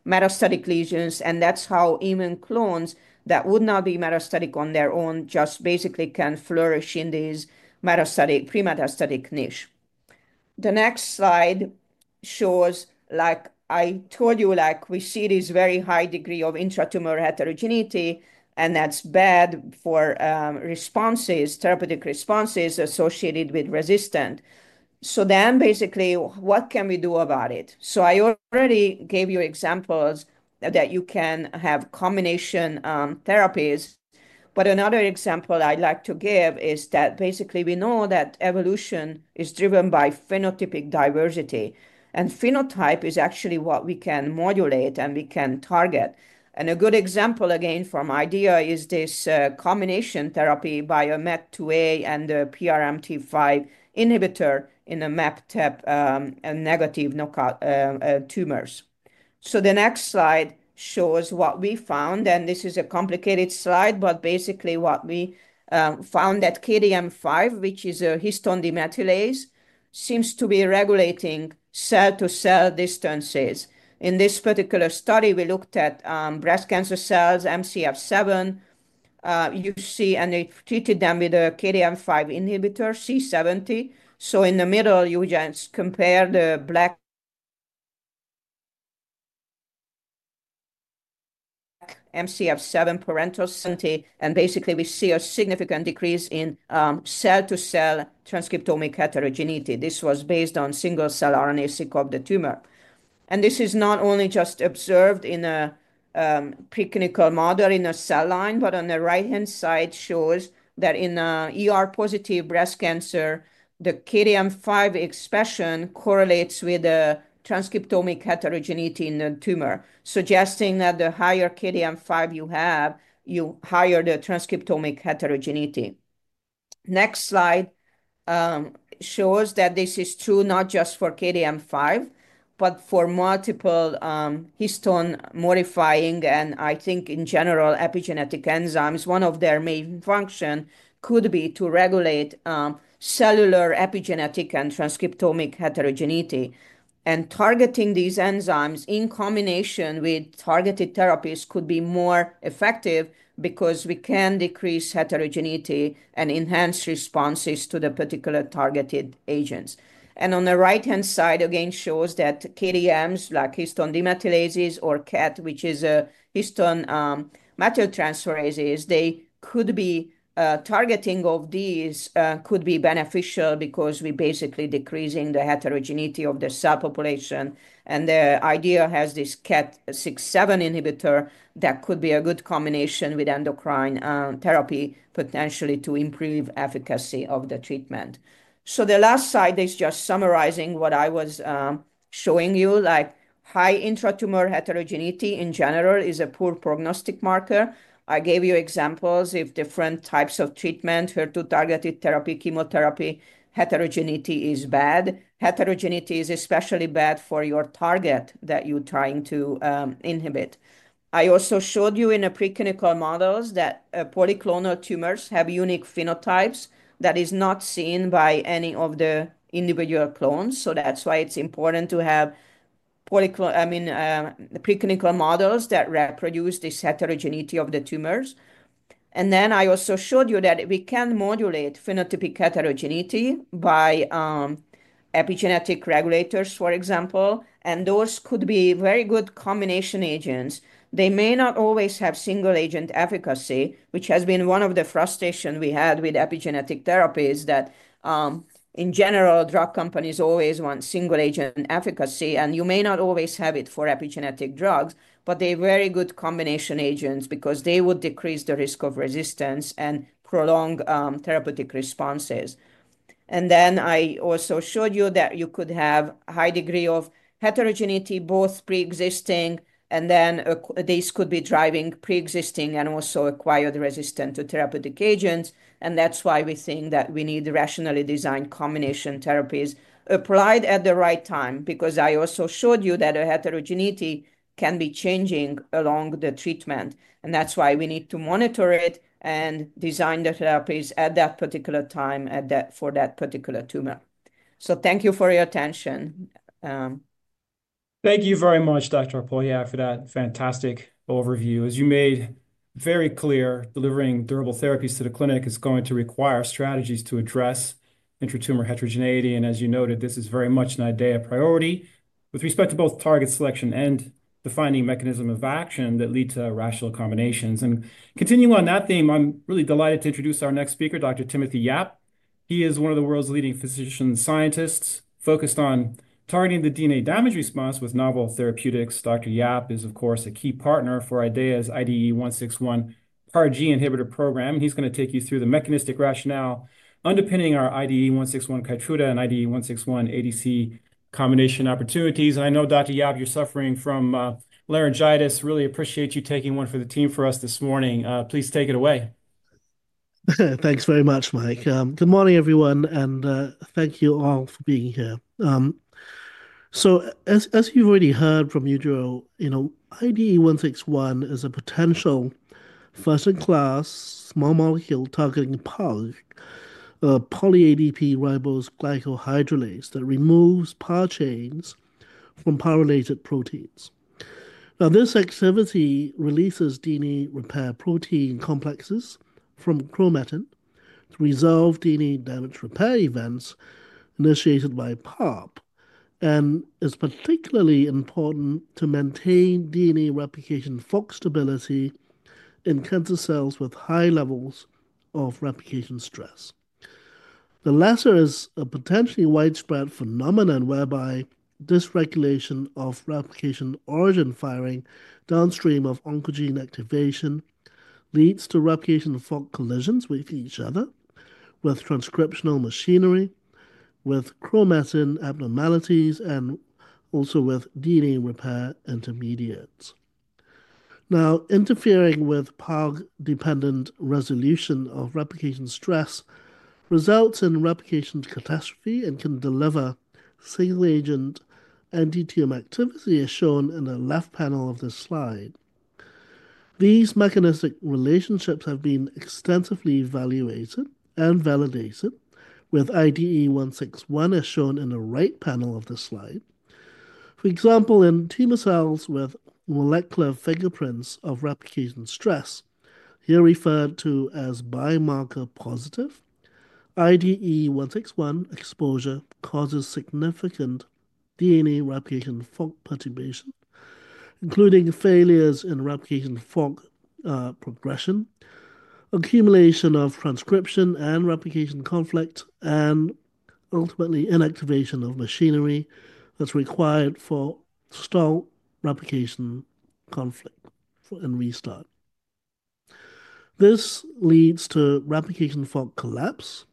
metastatic lesions. That's how even clones that would not be metastatic on their own just basically can flourish in these metastatic, pre-metastatic niche. The next slide shows, like I told you, like we see this very high degree of intratumor heterogeneity, and that's bad for therapeutic responses associated with resistance. Then basically, what can we do about it? I already gave you examples that you can have combination therapies. But another example I'd like to give is that basically we know that evolution is driven by phenotypic diversity. Phenotype is actually what we can modulate and we can target. A good example again from IDEAYA is this combination therapy by a MAT2A and the PRMT5 inhibitor in a MTAP negative tumors. The next slide shows what we found, and this is a complicated slide, but basically what we found that KDM5, which is a histone demethylase, seems to be regulating cell-to-cell distances. In this particular study, we looked at breast cancer cells, MCF7, you see, and we treated them with a KDM5 inhibitor, C70. In the middle, you just compare the blank MCF7 parental 70, and basically we see a significant decrease in cell-to-cell transcriptomic heterogeneity. This was based on single-cell RNA-seq of the tumor. This is not only just observed in a preclinical model in a cell line, but on the right-hand side shows that in an ER-positive breast cancer, the KDM5 expression correlates with the transcriptomic heterogeneity in the tumor, suggesting that the higher KDM5 you have, the higher the transcriptomic heterogeneity. Next slide shows that this is true not just for KDM5, but for multiple histone-modifying, and I think in general epigenetic enzymes. One of their main functions could be to regulate cellular epigenetic and transcriptomic heterogeneity. And targeting these enzymes in combination with targeted therapies could be more effective because we can decrease heterogeneity and enhance responses to the particular targeted agents. And on the right-hand side again shows that KDMs like histone demethylases or KAT, which is a histone acetyltransferases, targeting these could be beneficial because we're basically decreasing the heterogeneity of the cell population. And IDEAYA has this KAT6/7 inhibitor that could be a good combination with endocrine therapy potentially to improve efficacy of the treatment. So the last slide is just summarizing what I was showing you, like high intratumor heterogeneity in general is a poor prognostic marker. I gave you examples of different types of treatment, HER2 targeted therapy, chemotherapy. Heterogeneity is bad. Heterogeneity is especially bad for your target that you're trying to inhibit. I also showed you in preclinical models that polyclonal tumors have unique phenotypes that are not seen by any of the individual clones. So that's why it's important to have, I mean, preclinical models that reproduce this heterogeneity of the tumors, and then I also showed you that we can modulate phenotypic heterogeneity by epigenetic regulators, for example, and those could be very good combination agents. They may not always have single-agent efficacy, which has been one of the frustrations we had with epigenetic therapies that in general, drug companies always want single-agent efficacy, and you may not always have it for epigenetic drugs, but they're very good combination agents because they would decrease the risk of resistance and prolong therapeutic responses. And then I also showed you that you could have a high degree of heterogeneity, both pre-existing, and then these could be driving pre-existing and also acquired resistance to therapeutic agents. And that's why we think that we need rationally designed combination therapies applied at the right time because I also showed you that the heterogeneity can be changing along the treatment. And that's why we need to monitor it and design the therapies at that particular time for that particular tumor. So thank you for your attention. Thank you very much, Dr. Polyak, for that fantastic overview. As you made very clear, delivering durable therapies to the clinic is going to require strategies to address intratumor heterogeneity. And as you noted, this is very much an IDEAYA priority with respect to both target selection and the underlying mechanism of action that leads to rational combinations. Continuing on that theme, I'm really delighted to introduce our next speaker, Dr. Timothy Yap. He is one of the world's leading physician scientists focused on targeting the DNA damage response with novel therapeutics. Dr. Yap is, of course, a key partner for IDEAYA's IDE161 PARG inhibitor program. He's going to take you through the mechanistic rationale underpinning our IDE161 Keytruda and IDE161 ADC combination opportunities. I know, Dr. Yap, you're suffering from laryngitis. Really appreciate you taking one for the team for us this morning. Please take it away. Thanks very much, Mike. Good morning, everyone. Thank you all for being here. As you've already heard fromYujiro, you know, IDE161 is a potential first-in-class small molecule targeting PARG, poly-ADP-ribose glycohydrolase that removes PAR chains from PAR-related proteins. Now, this activity releases DNA repair protein complexes from chromatin to resolve DNA repair events initiated by PARP. And it's particularly important to maintain DNA replication fork stability in cancer cells with high levels of replication stress. The latter is a potentially widespread phenomenon whereby dysregulation of replication origin firing downstream of oncogene activation leads to replication fork collisions with each other with transcriptional machinery, with chromatin abnormalities, and also with DNA repair intermediates. Now, interfering with PAR-dependent resolution of replication stress results in replication catastrophe and can deliver single-agent anti-tumor activity, as shown in the left panel of this slide. These mechanistic relationships have been extensively evaluated and validated with IDE161, as shown in the right panel of the slide. For example, in tumor cells with molecular fingerprints of replication stress, here referred to as biomarker positive, IDE161 exposure causes significant DNA replication fork perturbation, including failures in replication fork progression, accumulation of transcription and replication conflict, and ultimately inactivation of machinery that's required for stall replication conflict and restart. This leads to replication fork collapse,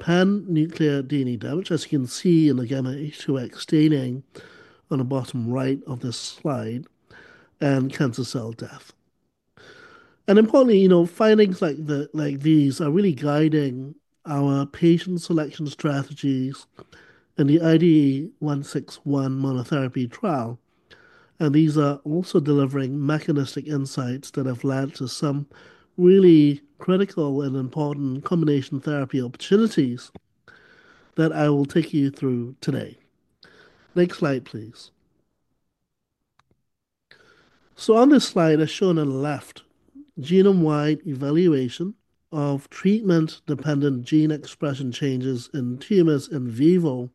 pan-nuclear DNA damage, as you can see in the gamma H2AX staining on the bottom right of this slide, and cancer cell death. Importantly, you know, findings like these are really guiding our patient selection strategies and the IDE161 monotherapy trial. These are also delivering mechanistic insights that have led to some really critical and important combination therapy opportunities that I will take you through today. Next slide, please. On this slide, as shown on the left, genome-wide evaluation of treatment-dependent gene expression changes in tumors in vivo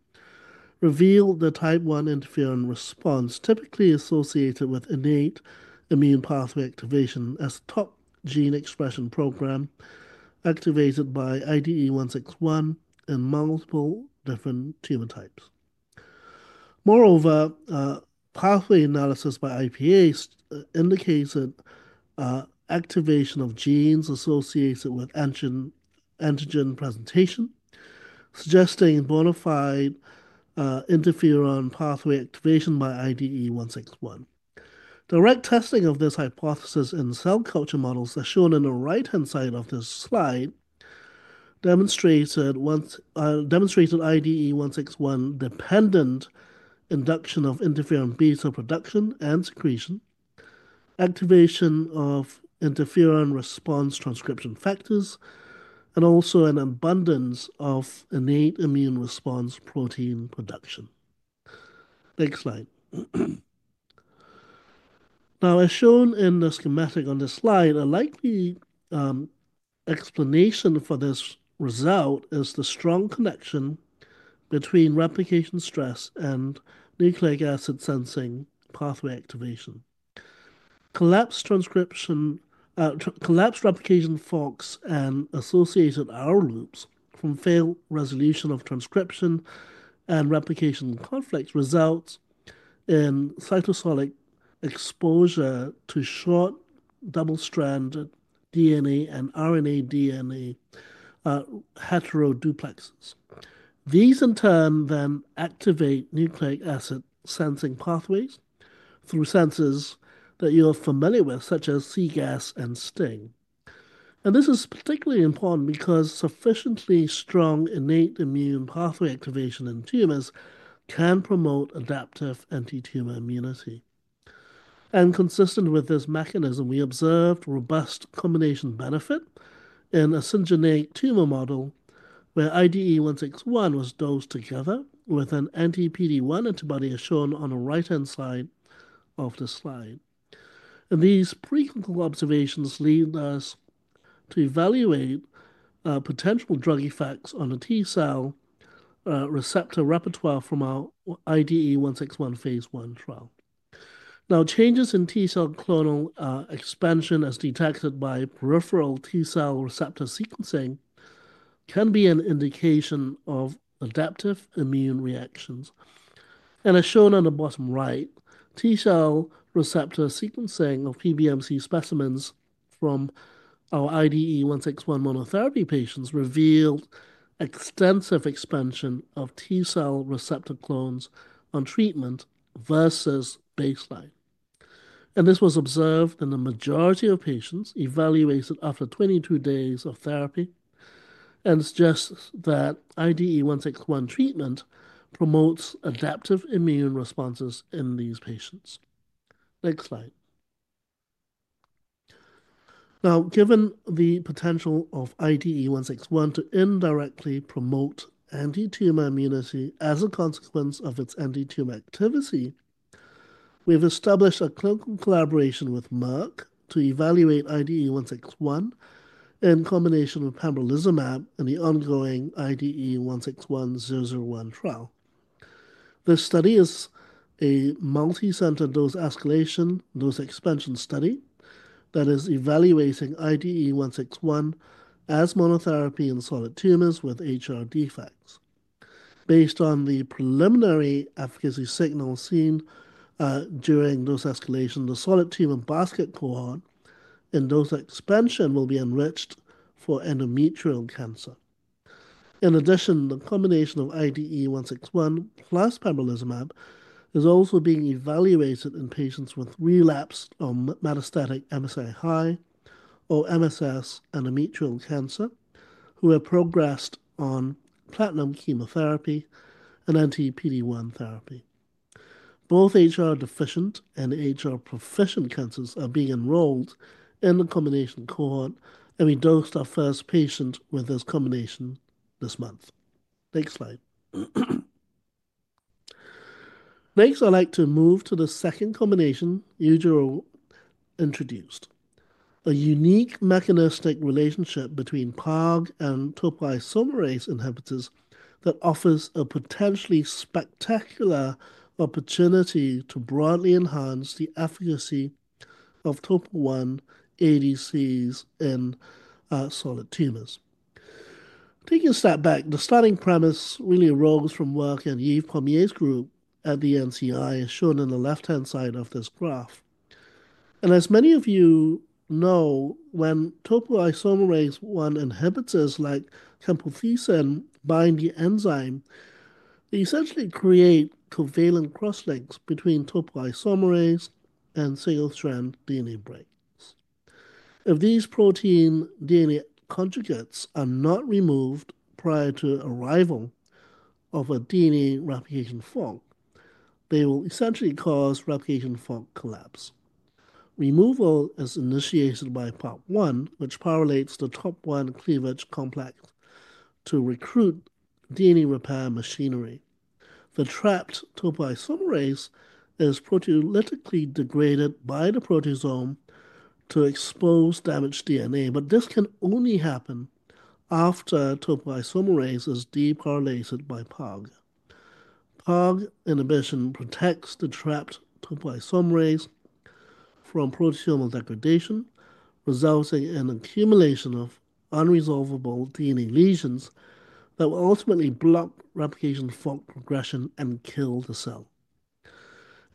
revealed the type I interferon response typically associated with innate immune pathway activation as top gene expression program activated by IDE161 in multiple different tumor types. Moreover, pathway analysis by IPA indicates an activation of genes associated with antigen presentation, suggesting bona fide interferon pathway activation by IDE161. Direct testing of this hypothesis in cell culture models, as shown on the right-hand side of this slide, demonstrated IDE161 dependent induction of interferon beta production and secretion, activation of interferon response transcription factors, and also an abundance of innate immune response protein production. Next slide. Now, as shown in the schematic on this slide, a likely explanation for this result is the strong connection between replication stress and nucleic acid sensing pathway activation. Collapsed replication forks and associated R loops from failed resolution of transcription and replication conflict result in cytosolic exposure to short double-stranded DNA and RNA-DNA heteroduplexes. These, in turn, then activate nucleic acid sensing pathways through sensors that you're familiar with, such as cGAS and STING. This is particularly important because sufficiently strong innate immune pathway activation in tumors can promote adaptive anti-tumor immunity. Consistent with this mechanism, we observed robust combination benefit in a syngeneic tumor model where IDE161 was dosed together with an anti-PD-1 antibody, as shown on the right-hand side of the slide. These preclinical observations lead us to evaluate potential drug effects on a T cell receptor repertoire from our IDE161 phase I trial. Now, changes in T cell clonal expansion, as detected by peripheral T cell receptor sequencing, can be an indication of adaptive immune reactions. As shown on the bottom right, T cell receptor sequencing of PBMC specimens from our IDE161 monotherapy patients revealed extensive expansion of T cell receptor clones on treatment versus baseline. This was observed in the majority of patients evaluated after 22 days of therapy and suggests that IDE161 treatment promotes adaptive immune responses in these patients. Next slide. Now, given the potential of IDE161 to indirectly promote anti-tumor immunity as a consequence of its anti-tumor activity, we have established a clinical collaboration with Merck to evaluate IDE161 in combination with pembrolizumab in the ongoing IDE161-001 trial. This study is a multi-center dose escalation dose expansion study that is evaluating IDE161 as monotherapy in solid tumors with HR defects. Based on the preliminary efficacy signal seen during dose escalation, the solid tumor basket cohort in dose expansion will be enriched for endometrial cancer. In addition, the combination of IDE161 plus pembrolizumab is also being evaluated in patients with relapsed or metastatic MSI-High or MSS endometrial cancer who have progressed on platinum chemotherapy and anti-PD-1 therapy. Both HR-deficient and HR-proficient cancers are being enrolled in the combination cohort, and we dosed our first patient with this combination this month. Next slide. Next, I'd like to move to the second combination you just introduced. A unique mechanistic relationship between PARG and topoisomerase inhibitors that offers a potentially spectacular opportunity to broadly enhance the efficacy of topo-1 ADCs in solid tumors. Taking a step back, the starting premise really arose from work in Yves Pommier's group at the NCI, as shown in the left-hand side of this graph. And as many of you know, when topoisomerase I inhibitors like camptothecin bind the enzyme, they essentially create covalent crosslinks between topoisomerase and single-strand DNA breaks. If these protein DNA conjugates are not removed prior to arrival of a DNA replication fork, they will essentially cause replication fork collapse. Removal is initiated by PARP1, which PARylates the topo I cleavage complex to recruit DNA repair machinery. The trapped topoisomerase is proteolytically degraded by the proteasome to expose damaged DNA, but this can only happen after topoisomerase is de-PARylated by PARG. PARG inhibition protects the trapped topoisomerase from proteasomal degradation, resulting in an accumulation of unresolvable DNA lesions that will ultimately block replication fork progression and kill the cell.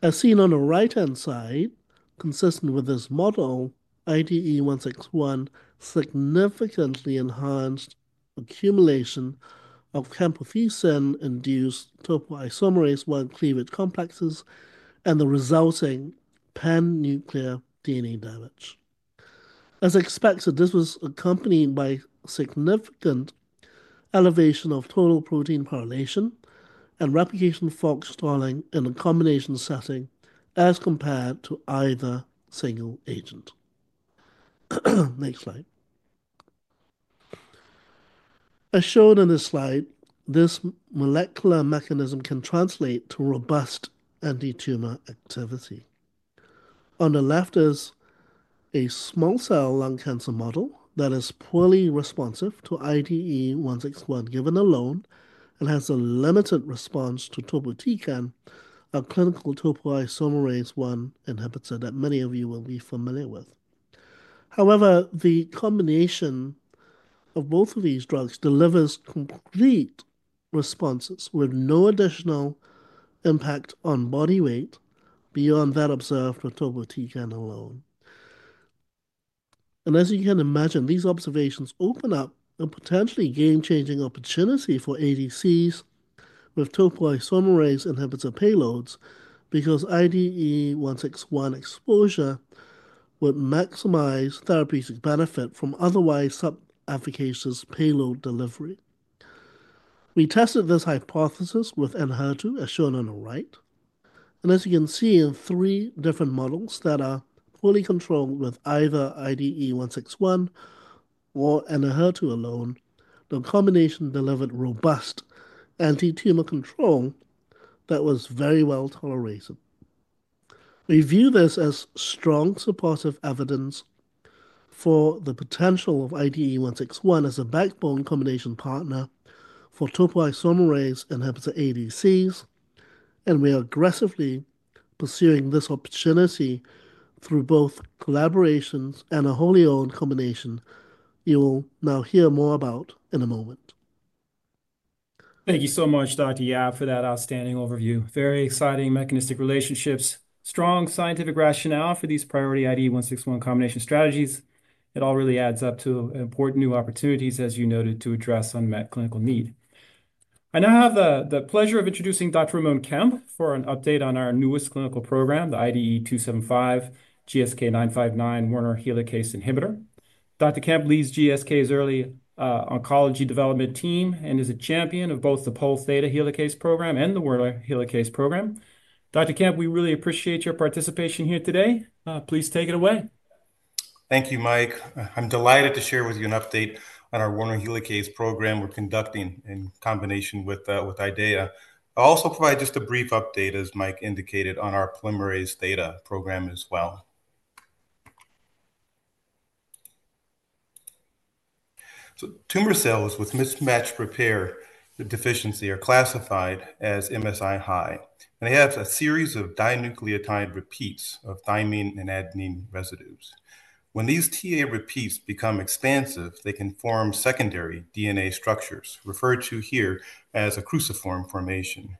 As seen on the right-hand side, consistent with this model, IDE161 significantly enhanced accumulation of camptothecin-induced topoisomerase I cleavage complexes and the resulting pan-nuclear DNA damage. As expected, this was accompanied by significant elevation of total protein PARylation and replication fork stalling in a combination setting as compared to either single agent. Next slide. As shown in this slide, this molecular mechanism can translate to robust anti-tumor activity. On the left is a small cell lung cancer model that is poorly responsive to IDE161 given alone and has a limited response to topotecan, a clinical topoisomerase I inhibitor that many of you will be familiar with. However, the combination of both of these drugs delivers complete responses with no additional impact on body weight beyond that observed with topotecan alone, and as you can imagine, these observations open up a potentially game-changing opportunity for ADCs with topoisomerase inhibitor payloads because IDE161 exposure would maximize therapeutic benefit from otherwise suboptimal payload delivery. We tested this hypothesis with an ADC, as shown on the right. As you can see in three different models that are poorly controlled with either IDE161 or niraparib alone, the combination delivered robust anti-tumor control that was very well tolerated. We view this as strong supportive evidence for the potential of IDE161 as a backbone combination partner for topoisomerase inhibitor ADCs, and we are aggressively pursuing this opportunity through both collaborations and a wholly owned combination you will now hear more about in a moment. Thank you so much, Dr. Yap, for that outstanding overview. Very exciting mechanistic relationships, strong scientific rationale for these priority IDE161 combination strategies. It all really adds up to important new opportunities, as you noted, to address unmet clinical need. I now have the pleasure of introducing Dr. Ramon Kemp for an update on our newest clinical program, the IDE275 GSK959 Werner helicase inhibitor. Dr. Kemp leads GSK's early oncology development team and is a champion of both the Pol Theta Helicase program and the Werner helicase program. Dr. Kemp, we really appreciate your participation here today. Please take it away. Thank you, Mike. I'm delighted to share with you an update on our Werner helicase program we're conducting in combination with IDEAYA. I'll also provide just a brief update, as Mike indicated, on our polymerase theta program as well, so tumor cells with mismatched repair deficiency are classified as MSI-High, and they have a series of dinucleotide repeats of thymine and adenine residues. When these TA repeats become expansive, they can form secondary DNA structures referred to here as a cruciform formation,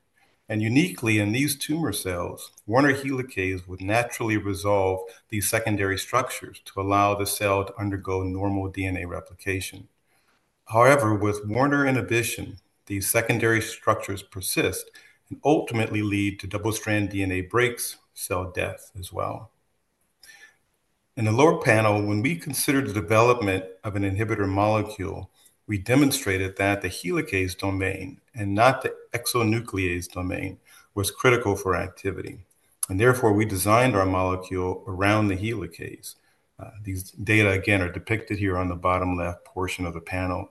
and uniquely in these tumor cells, Werner helicase would naturally resolve these secondary structures to allow the cell to undergo normal DNA replication. However, with Werner inhibition, these secondary structures persist and ultimately lead to double-strand DNA breaks, cell death as well. In the lower panel, when we considered the development of an inhibitor molecule, we demonstrated that the helicase domain and not the exonuclease domain was critical for activity. And therefore, we designed our molecule around the helicase. These data, again, are depicted here on the bottom left portion of the panel.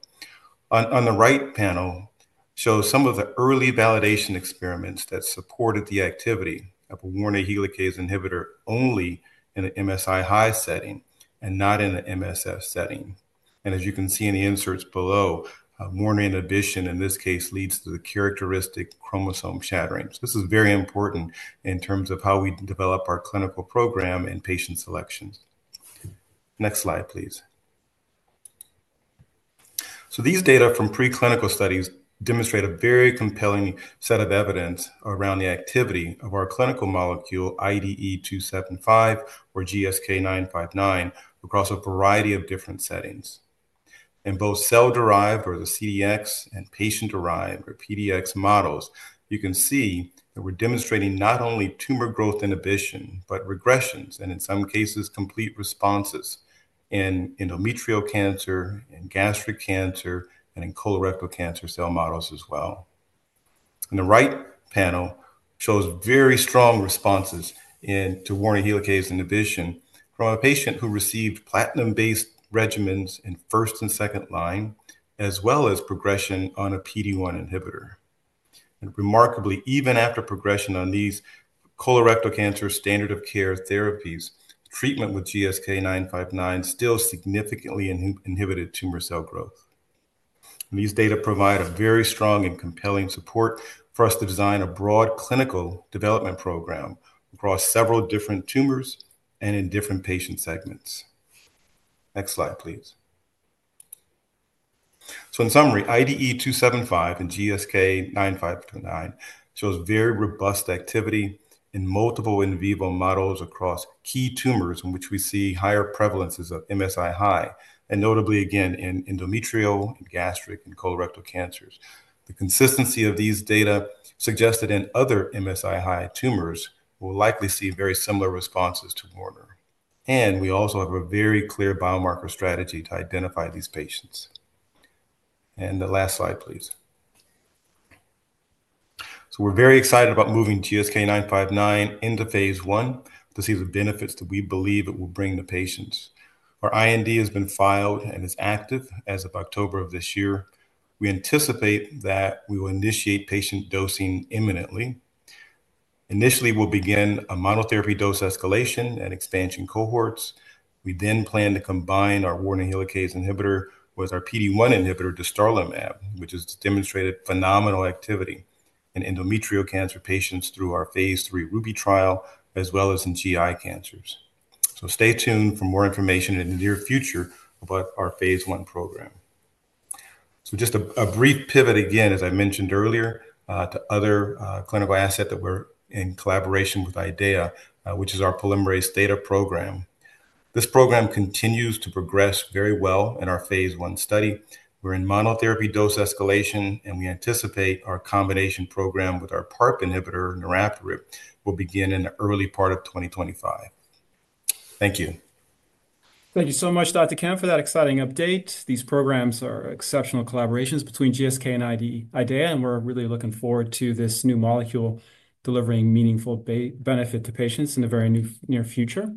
On the right panel shows some of the early validation experiments that supported the activity of a Werner helicase inhibitor only in an MSI-High setting and not in an MSS setting. And as you can see in the inserts below, Werner inhibition in this case leads to the characteristic chromosome shattering. So this is very important in terms of how we develop our clinical program and patient selections. Next slide, please. These data from preclinical studies demonstrate a very compelling set of evidence around the activity of our clinical molecule IDE275 or GSK959 across a variety of different settings. In both cell-derived, or the CDX, and patient-derived, or PDX models, you can see that we're demonstrating not only tumor growth inhibition, but regressions, and in some cases, complete responses in endometrial cancer, in gastric cancer, and in colorectal cancer cell models as well. On the right panel shows very strong responses to Werner helicase inhibition from a patient who received platinum-based regimens in first and second line, as well as progression on a PD-1 inhibitor. And remarkably, even after progression on these colorectal cancer standard of care therapies, treatment with GSK959 still significantly inhibited tumor cell growth. These data provide a very strong and compelling support for us to design a broad clinical development program across several different tumors and in different patient segments. Next slide, please. So in summary, IDE275 and GSK959 shows very robust activity in multiple in vivo models across key tumors in which we see higher prevalences of MSI-High, and notably, again, in endometrial, gastric, and colorectal cancers. The consistency of these data suggested in other MSI-High tumors will likely see very similar responses to Werner. And we also have a very clear biomarker strategy to identify these patients. And the last slide, please. So we're very excited about moving GSK959 into phase I to see the benefits that we believe it will bring to patients. Our IND has been filed and is active as of October of this year. We anticipate that we will initiate patient dosing imminently. Initially, we'll begin a monotherapy dose escalation and expansion cohorts. We then plan to combine our Werner helicase inhibitor with our PD-1 inhibitor, dostarlimab, which has demonstrated phenomenal activity in endometrial cancer patients through our phase III RUBY trial, as well as in GI cancers. So stay tuned for more information in the near future about our phase I program. So just a brief pivot again, as I mentioned earlier, to other clinical assets that we're in collaboration with IDEAYA, which is our polymerase theta program. This program continues to progress very well in our phase I study. We're in monotherapy dose escalation, and we anticipate our combination program with our PARP inhibitor, niraparib, will begin in the early part of 2025. Thank you. Thank you so much, Dr. Kemp, for that exciting update. These programs are exceptional collaborations between GSK and IDEAYA, and we're really looking forward to this new molecule delivering meaningful benefit to patients in the very near future.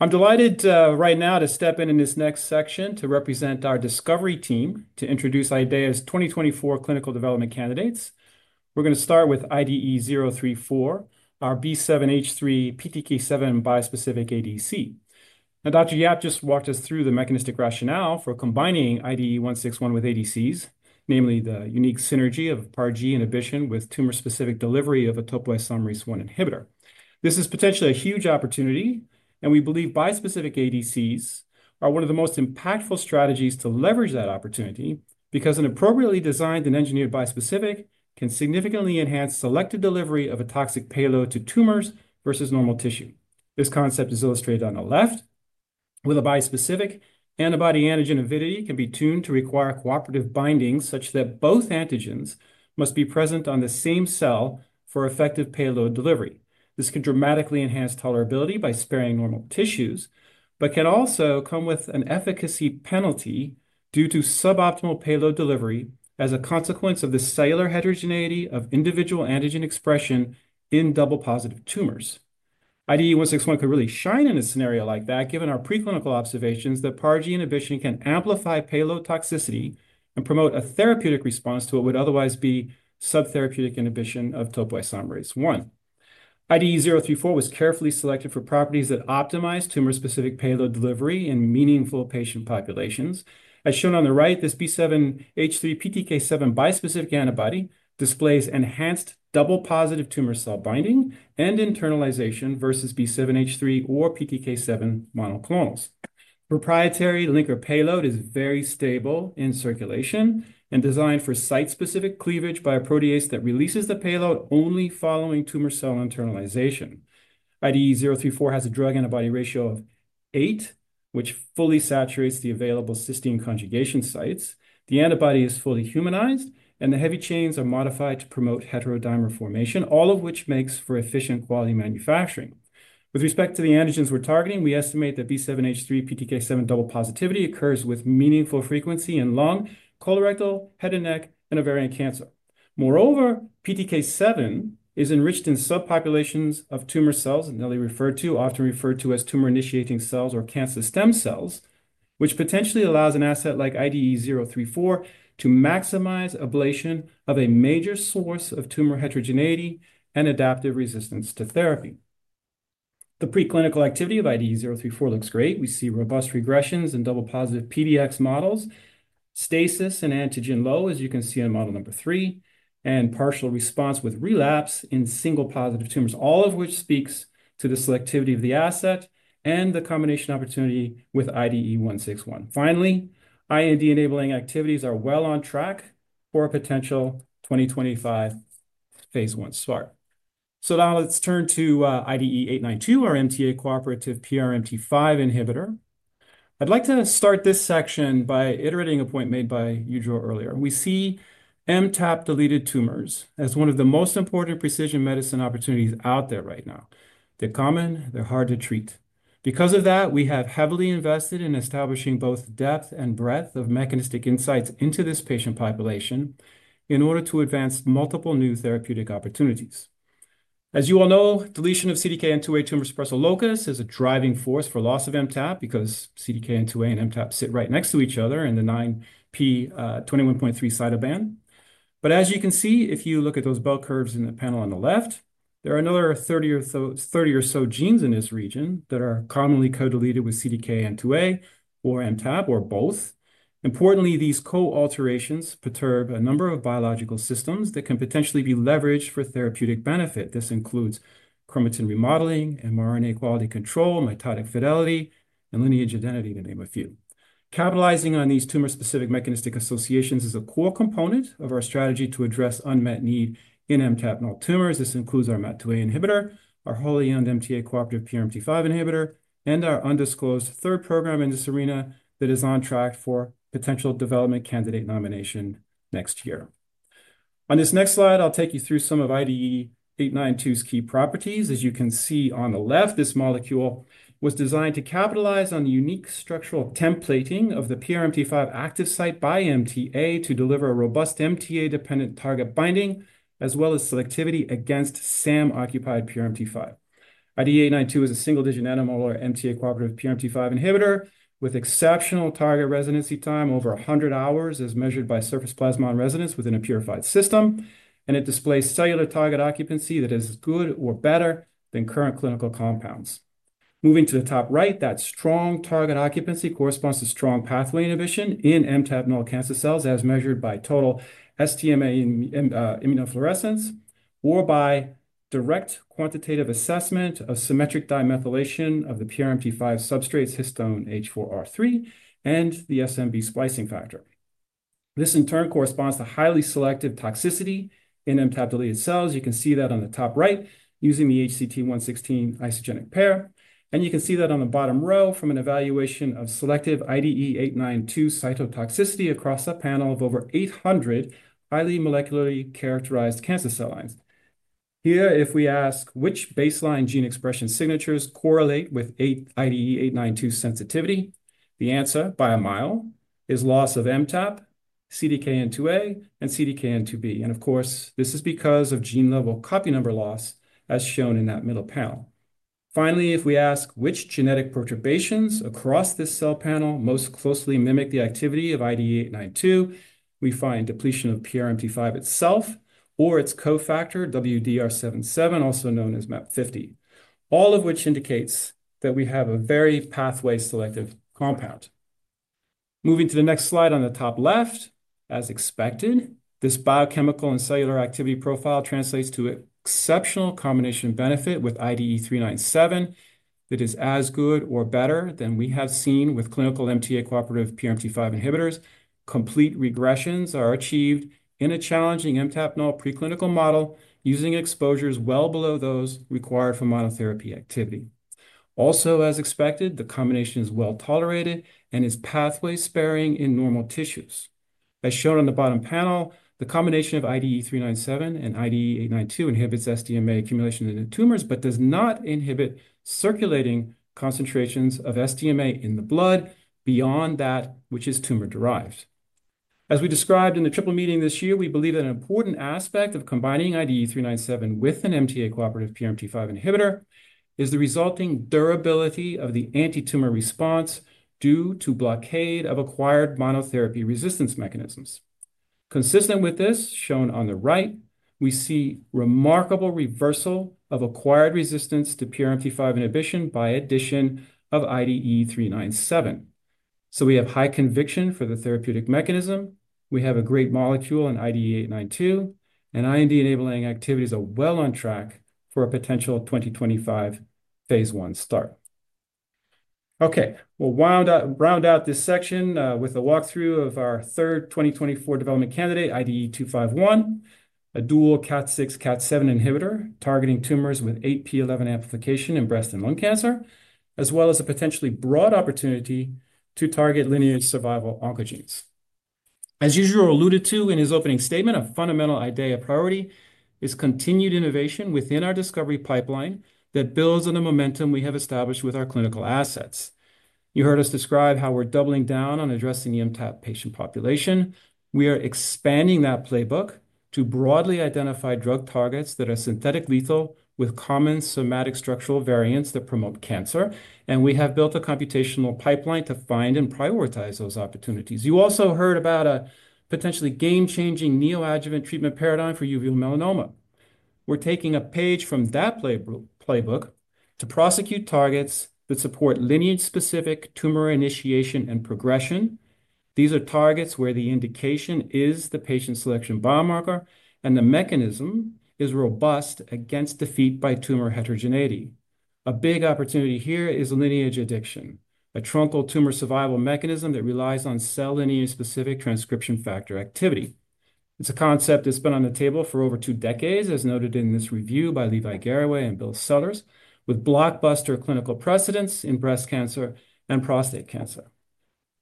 I'm delighted right now to step in in this next section to represent our discovery team to introduce IDEAYA's 2024 clinical development candidates. We're going to start with IDE034, our B7H3/PTK7 bispecific ADC. Now, Dr. Yap just walked us through the mechanistic rationale for combining IDE161 with ADCs, namely the unique synergy of PARG inhibition with tumor-specific delivery of a topoisomerase I inhibitor. This is potentially a huge opportunity, and we believe bispecific ADCs are one of the most impactful strategies to leverage that opportunity because an appropriately designed and engineered bispecific can significantly enhance selective delivery of a toxic payload to tumors versus normal tissue. This concept is illustrated on the left. With a bispecific, antibody-antigen avidity can be tuned to require cooperative bindings such that both antigens must be present on the same cell for effective payload delivery. This can dramatically enhance tolerability by sparing normal tissues, but can also come with an efficacy penalty due to suboptimal payload delivery as a consequence of the cellular heterogeneity of individual antigen expression in double-positive tumors. IDE161 could really shine in a scenario like that, given our preclinical observations that PARG inhibition can amplify payload toxicity and promote a therapeutic response to what would otherwise be subtherapeutic inhibition of topoisomerase I. IDE034 was carefully selected for properties that optimize tumor-specific payload delivery in meaningful patient populations. As shown on the right, this B7H3 PTK7 bispecific antibody displays enhanced double-positive tumor cell binding and internalization versus B7H3 or PTK7 monoclonals. Proprietary linker payload is very stable in circulation and designed for site-specific cleavage by a protease that releases the payload only following tumor cell internalization. IDE034 has a drug-antibody ratio of eight, which fully saturates the available cysteine conjugation sites. The antibody is fully humanized, and the heavy chains are modified to promote heterodimer formation, all of which makes for efficient quality manufacturing. With respect to the antigens we're targeting, we estimate that B7H3 PTK7 double-positivity occurs with meaningful frequency in lung, colorectal, head and neck, and ovarian cancer. Moreover, PTK7 is enriched in subpopulations of tumor cells that are often referred to as tumor-initiating cells or cancer stem cells, which potentially allows an asset like IDE034 to maximize ablation of a major source of tumor heterogeneity and adaptive resistance to therapy. The preclinical activity of IDE034 looks great. We see robust regressions in double-positive PDX models, stasis and antigen low, as you can see in model number three, and partial response with relapse in single-positive tumors, all of which speaks to the selectivity of the asset and the combination opportunity with IDE161. Finally, IND-enabling activities are well on track for a potential 2025 phase I start. Now let's turn to IDE892, our MTA-cooperative PRMT5 inhibitor. I'd like to start this section by reiterating a point made by Yujiro earlier. We see MTAP-deleted tumors as one of the most important precision medicine opportunities out there right now. They're common. They're hard to treat. Because of that, we have heavily invested in establishing both depth and breadth of mechanistic insights into this patient population in order to advance multiple new therapeutic opportunities. As you all know, deletion of CDKN2A tumor suppressor locus is a driving force for loss of MTAP because CDKN2A and MTAP sit right next to each other in the 9p21.3 cytoband. But as you can see, if you look at those bell curves in the panel on the left, there are another 30 or so genes in this region that are commonly co-deleted with CDKN2A or MTAP or both. Importantly, these co-alterations perturb a number of biological systems that can potentially be leveraged for therapeutic benefit. This includes chromatin remodeling, mRNA quality control, mitotic fidelity, and lineage identity, to name a few. Capitalizing on these tumor-specific mechanistic associations is a core component of our strategy to address unmet need in MTAP in all tumors. This includes our MAT2A inhibitor, our wholly-owned MTA cooperative PRMT5 inhibitor, and our undisclosed third program in this arena that is on track for potential development candidate nomination next year. On this next slide, I'll take you through some of IDE892's key properties. As you can see on the left, this molecule was designed to capitalize on the unique structural templating of the PRMT5 active site by MTA to deliver a robust MTA-dependent target binding, as well as selectivity against SAM-occupied PRMT5. IDE892 is a single-digit nanomolar MTA cooperative PRMT5 inhibitor with exceptional target residency time, over 100 hours, as measured by surface plasmon resonance within a purified system, and it displays cellular target occupancy that is good or better than current clinical compounds. Moving to the top right, that strong target occupancy corresponds to strong pathway inhibition in MTAP in all cancer cells, as measured by total SDMA immunofluorescence or by direct quantitative assessment of symmetric dimethylation of the PRMT5 substrate, histone H4R3, and the SmB splicing factor. This, in turn, corresponds to highly selective toxicity in MTAP-deleted cells. You can see that on the top right using the HCT116 isogenic pair. You can see that on the bottom row from an evaluation of selective IDE892 cytotoxicity across a panel of over 800 highly molecularly characterized cancer cell lines. Here, if we ask which baseline gene expression signatures correlate with IDE892 sensitivity, the answer by a mile is loss of MTAP, CDKN2A, and CDKN2B. Of course, this is because of gene-level copy number loss, as shown in that middle panel. Finally, if we ask which genetic perturbations across this cell panel most closely mimic the activity of IDE892, we find depletion of PRMT5 itself or its cofactor, WDR77, also known as MEP50, all of which indicates that we have a very pathway-selective compound. Moving to the next slide on the top left, as expected, this biochemical and cellular activity profile translates to exceptional combination benefit with IDE397 that is as good or better than we have seen with clinical MTA-cooperative PRMT5 inhibitors. Complete regressions are achieved in challenging MTAP-deleted preclinical models using exposures well below those required for monotherapy activity. Also, as expected, the combination is well tolerated and is pathway-sparing in normal tissues. As shown on the bottom panel, the combination of IDE397 and IDE892 inhibits SDMA accumulation in the tumors, but does not inhibit circulating concentrations of SDMA in the blood beyond that which is tumor-derived. As we described in the Triple Meeting this year, we believe that an important aspect of combining IDE397 with an MTA-cooperative PRMT5 inhibitor is the resulting durability of the anti-tumor response due to blockade of acquired monotherapy resistance mechanisms. Consistent with this, shown on the right, we see remarkable reversal of acquired resistance to PRMT5 inhibition by addition of IDE397. So we have high conviction for the therapeutic mechanism. We have a great molecule in IDE892, and IND-enabling activities are well on track for a potential 2025 phase I start. Okay, we'll round out this section with a walkthrough of our third 2024 development candidate, IDE251, a dual KAT6/KAT7 inhibitor targeting tumors with 8p11 amplification in breast and lung cancer, as well as a potentially broad opportunity to target lineage survival oncogenes. As Yujiro alluded to in his opening statement, a fundamental IDEAYA priority is continued innovation within our discovery pipeline that builds on the momentum we have established with our clinical assets. You heard us describe how we're doubling down on addressing the MTAP patient population. We are expanding that playbook to broadly identify drug targets that are synthetically lethal with common somatic structural variants that promote cancer, and we have built a computational pipeline to find and prioritize those opportunities. You also heard about a potentially game-changing neoadjuvant treatment paradigm for uveal melanoma. We're taking a page from that playbook to prosecute targets that support lineage-specific tumor initiation and progression. These are targets where the indication is the patient selection biomarker, and the mechanism is robust against defeat by tumor heterogeneity. A big opportunity here is lineage addiction, a truncal tumor survival mechanism that relies on cell lineage-specific transcription factor activity. It's a concept that's been on the table for over two decades, as noted in this review by Levi Garraway and Bill Sellers, with blockbuster clinical precedents in breast cancer and prostate cancer.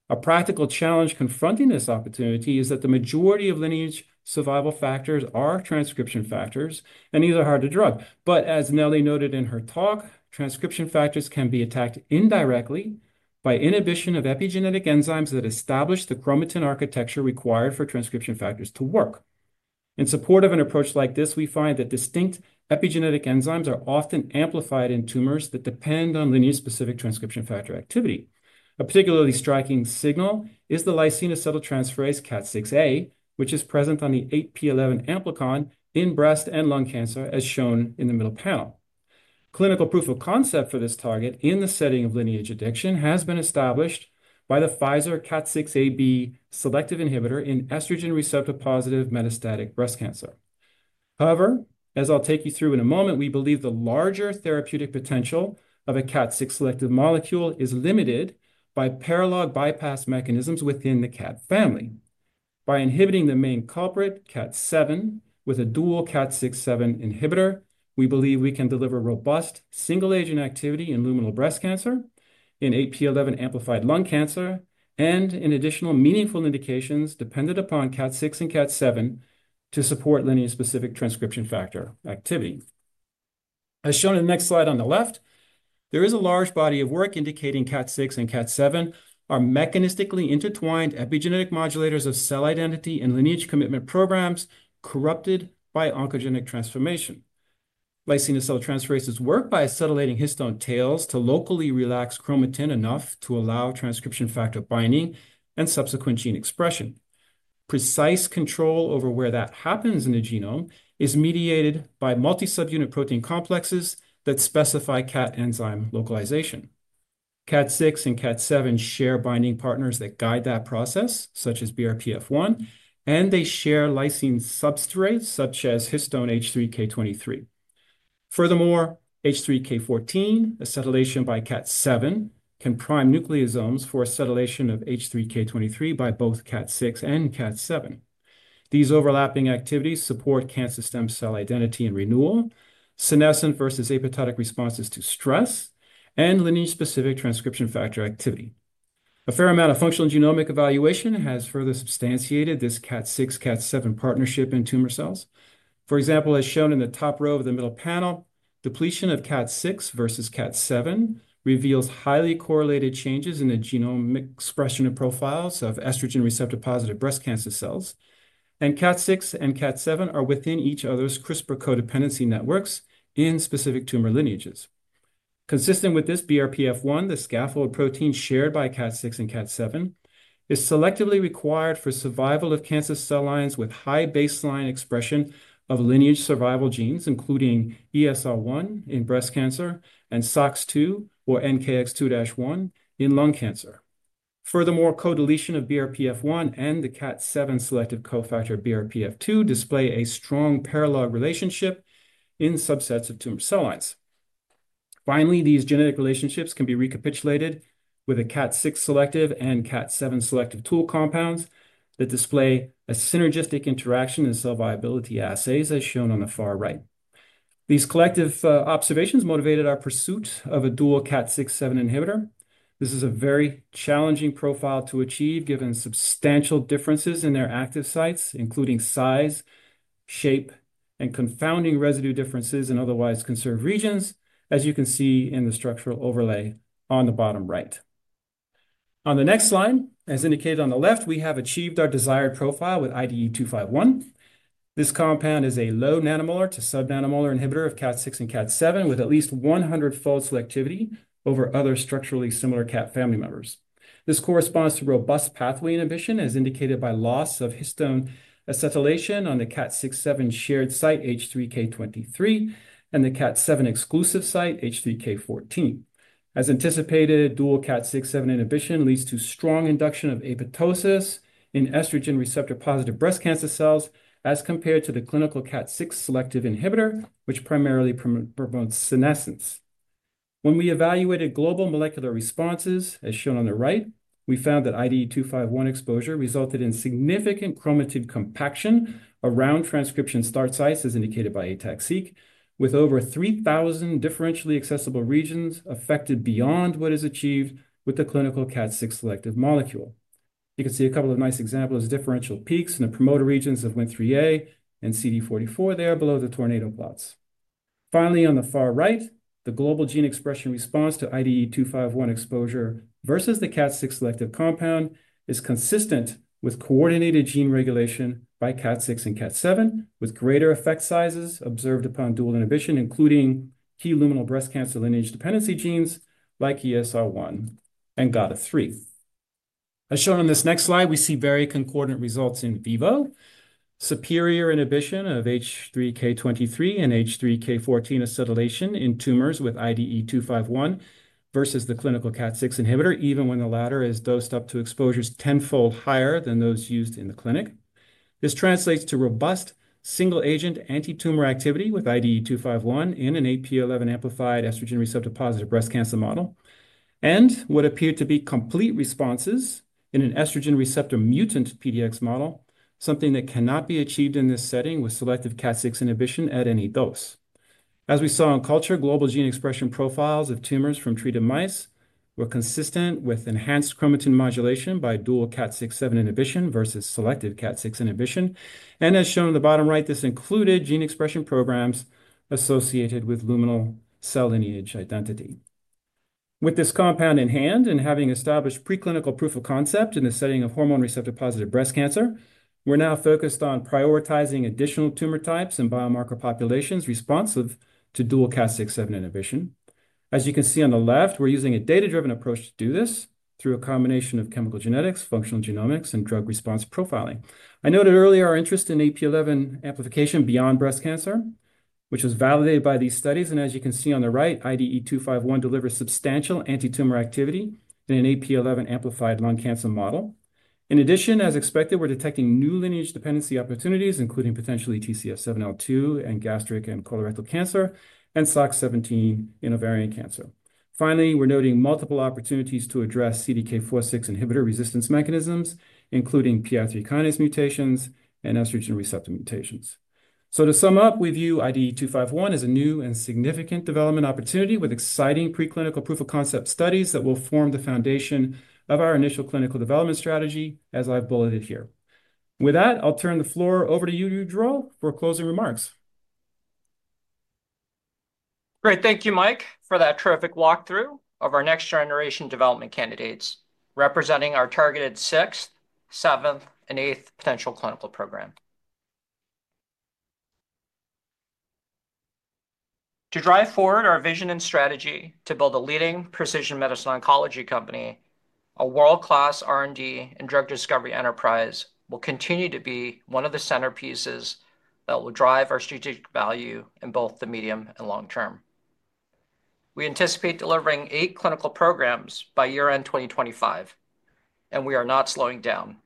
A practical challenge confronting this opportunity is that the majority of lineage survival factors are transcription factors and are hard to drug. But as Nelly noted in her talk, transcription factors can be attacked indirectly by inhibition of epigenetic enzymes that establish the chromatin architecture required for transcription factors to work. In support of an approach like this, we find that distinct epigenetic enzymes are often amplified in tumors that depend on lineage-specific transcription factor activity. A particularly striking signal is the lysine acetyltransferase KAT6A, which is present on the 8p11 amplicon in breast and lung cancer, as shown in the middle panel. Clinical proof of concept for this target in the setting of lineage addiction has been established by the Pfizer KAT6A/B selective inhibitor in estrogen receptor-positive metastatic breast cancer. However, as I'll take you through in a moment, we believe the larger therapeutic potential of a KAT6 selective molecule is limited by paralog bypass mechanisms within the KAT family. By inhibiting the main culprit, KAT7, with a dual KAT6/7 inhibitor, we believe we can deliver robust single-agent activity in luminal breast cancer, in 8p11 amplified lung cancer, and in additional meaningful indications dependent upon KAT6 and KAT7 to support lineage-specific transcription factor activity. As shown in the next slide on the left, there is a large body of work indicating KAT6 and KAT7 are mechanistically intertwined epigenetic modulators of cell identity and lineage commitment programs corrupted by oncogenic transformation. Lysine acetyltransferase works by acetylating histone tails to locally relax chromatin enough to allow transcription factor binding and subsequent gene expression. Precise control over where that happens in the genome is mediated by multi-subunit protein complexes that specify KAT enzyme localization. KAT6 and KAT7 share binding partners that guide that process, such as BRPF1, and they share lysine substrates, such as histone H3K23. Furthermore, H3K14 acetylation by KAT7 can prime nucleosomes for acetylation of H3K23 by both KAT6 and KAT7. These overlapping activities support cancer stem cell identity and renewal, senescent versus apoptotic responses to stress, and lineage-specific transcription factor activity. A fair amount of functional genomic evaluation has further substantiated this KAT6/KAT7 partnership in tumor cells. For example, as shown in the top row of the middle panel, depletion of KAT6 versus KAT7 reveals highly correlated changes in the genomic expression of profiles of estrogen receptor-positive breast cancer cells, and KAT6 and KAT7 are within each other's CRISPR co-dependency networks in specific tumor lineages. Consistent with this, BRPF1, the scaffold protein shared by KAT6 and KAT7, is selectively required for survival of cancer cell lines with high baseline expression of lineage survival genes, including ESR1 in breast cancer and SOX2 or NKX2-1 in lung cancer. Furthermore, co-deletion of BRPF1 and the KAT7 selective cofactor BRPF2 display a strong paralog relationship in subsets of tumor cell lines. Finally, these genetic relationships can be recapitulated with a KAT6 selective and KAT7 selective tool compounds that display a synergistic interaction in cell viability assays, as shown on the far right. These collective observations motivated our pursuit of a dual KAT6/7 inhibitor. This is a very challenging profile to achieve given substantial differences in their active sites, including size, shape, and confounding residue differences in otherwise conserved regions, as you can see in the structural overlay on the bottom right. On the next slide, as indicated on the left, we have achieved our desired profile with IDE251. This compound is a low nanomolar to subnanomolar inhibitor of KAT6 and KAT7 with at least 100-fold selectivity over other structurally similar KAT family members. This corresponds to robust pathway inhibition, as indicated by loss of histone acetylation on the KAT6/7 shared site H3K23 and the KAT7 exclusive site H3K14. As anticipated, dual KAT6/7 inhibition leads to strong induction of apoptosis in estrogen receptor-positive breast cancer cells as compared to the clinical KAT6 selective inhibitor, which primarily promotes senescence. When we evaluated global molecular responses, as shown on the right, we found that IDE251 exposure resulted in significant chromatin compaction around transcription start sites, as indicated by ATAC-seq, with over 3,000 differentially accessible regions affected beyond what is achieved with the clinical KAT6 selective molecule. You can see a couple of nice examples of differential peaks in the promoter regions of WNT3A and CD44 there below the tornado plots. Finally, on the far right, the global gene expression response to IDE251 exposure versus the KAT6 selective compound is consistent with coordinated gene regulation by KAT6 and KAT7, with greater effect sizes observed upon dual inhibition, including key luminal breast cancer lineage dependency genes like ESR1 and GATA3. As shown on this next slide, we see very concordant results in vivo. Superior inhibition of H3K23 and H3K14 acetylation in tumors with IDE251 versus the clinical KAT6 inhibitor, even when the latter is dosed up to exposures tenfold higher than those used in the clinic. This translates to robust single-agent anti-tumor activity with IDE251 in an 8p11 amplified estrogen receptor-positive breast cancer model and what appear to be complete responses in an estrogen receptor mutant PDX model, something that cannot be achieved in this setting with selective KAT6 inhibition at any dose. As we saw in culture, global gene expression profiles of tumors from treated mice were consistent with enhanced chromatin modulation by dual KAT6/7 inhibition versus selective KAT6 inhibition. And as shown on the bottom right, this included gene expression programs associated with luminal cell lineage identity. With this compound in hand and having established preclinical proof of concept in the setting of hormone receptor-positive breast cancer, we're now focused on prioritizing additional tumor types and biomarker populations responsive to dual KAT6/7 inhibition. As you can see on the left, we're using a data-driven approach to do this through a combination of chemical genetics, functional genomics, and drug response profiling. I noted earlier our interest in 8p11 amplification beyond breast cancer, which was validated by these studies. And as you can see on the right, IDE251 delivers substantial anti-tumor activity in an 8p11 amplified lung cancer model. In addition, as expected, we're detecting new lineage dependency opportunities, including potentially TCF7L2 and gastric and colorectal cancer and SOX17 in ovarian cancer. Finally, we're noting multiple opportunities to address CDK4/6 inhibitor resistance mechanisms, including PI3 kinase mutations and estrogen receptor mutations. So to sum up, we view IDE251 as a new and significant development opportunity with exciting preclinical proof of concept studies that will form the foundation of our initial clinical development strategy, as I've bulleted here. With that, I'll turn the floor over to Yujiro for closing remarks. Great. Thank you, Mike, for that terrific walkthrough of our next generation development candidates representing our targeted sixth, seventh, and eighth potential clinical program. To drive forward our vision and strategy to build a leading precision medicine oncology company, a world-class R&D and drug discovery enterprise will continue to be one of the centerpieces that will drive our strategic value in both the medium and long term. We anticipate delivering eight clinical programs by year-end 2025, and we are not slowing down,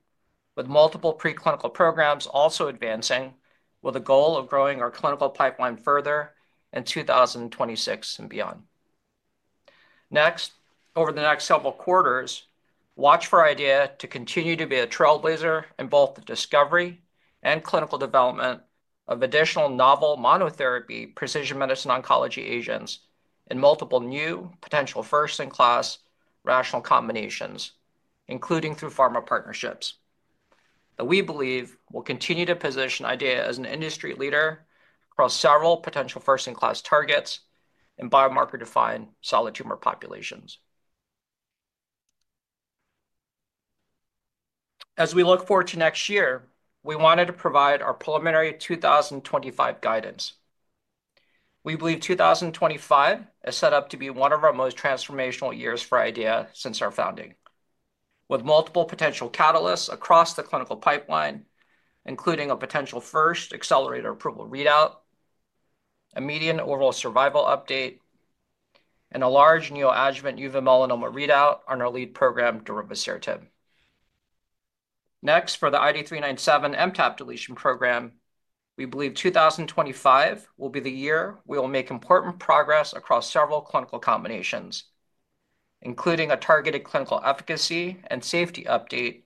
with multiple preclinical programs also advancing with the goal of growing our clinical pipeline further in 2026 and beyond. Next, over the next several quarters, watch for IDEA to continue to be a trailblazer in both the discovery and clinical development of additional novel monotherapy precision medicine oncology agents and multiple new potential first-in-class rational combinations, including through pharma partnerships. We believe we'll continue to position IDEA as an industry leader across several potential first-in-class targets and biomarker-defined solid tumor populations. As we look forward to next year, we wanted to provide our preliminary 2025 guidance. We believe 2025 is set up to be one of our most transformational years for IDEAYA since our founding, with multiple potential catalysts across the clinical pipeline, including a potential first accelerated approval readout, a median overall survival update, and a large neoadjuvant uveal melanoma readout on our lead program, darovasertib. Next, for the IDE397 MTAP deletion program, we believe 2025 will be the year we will make important progress across several clinical combinations, including a targeted clinical efficacy and safety update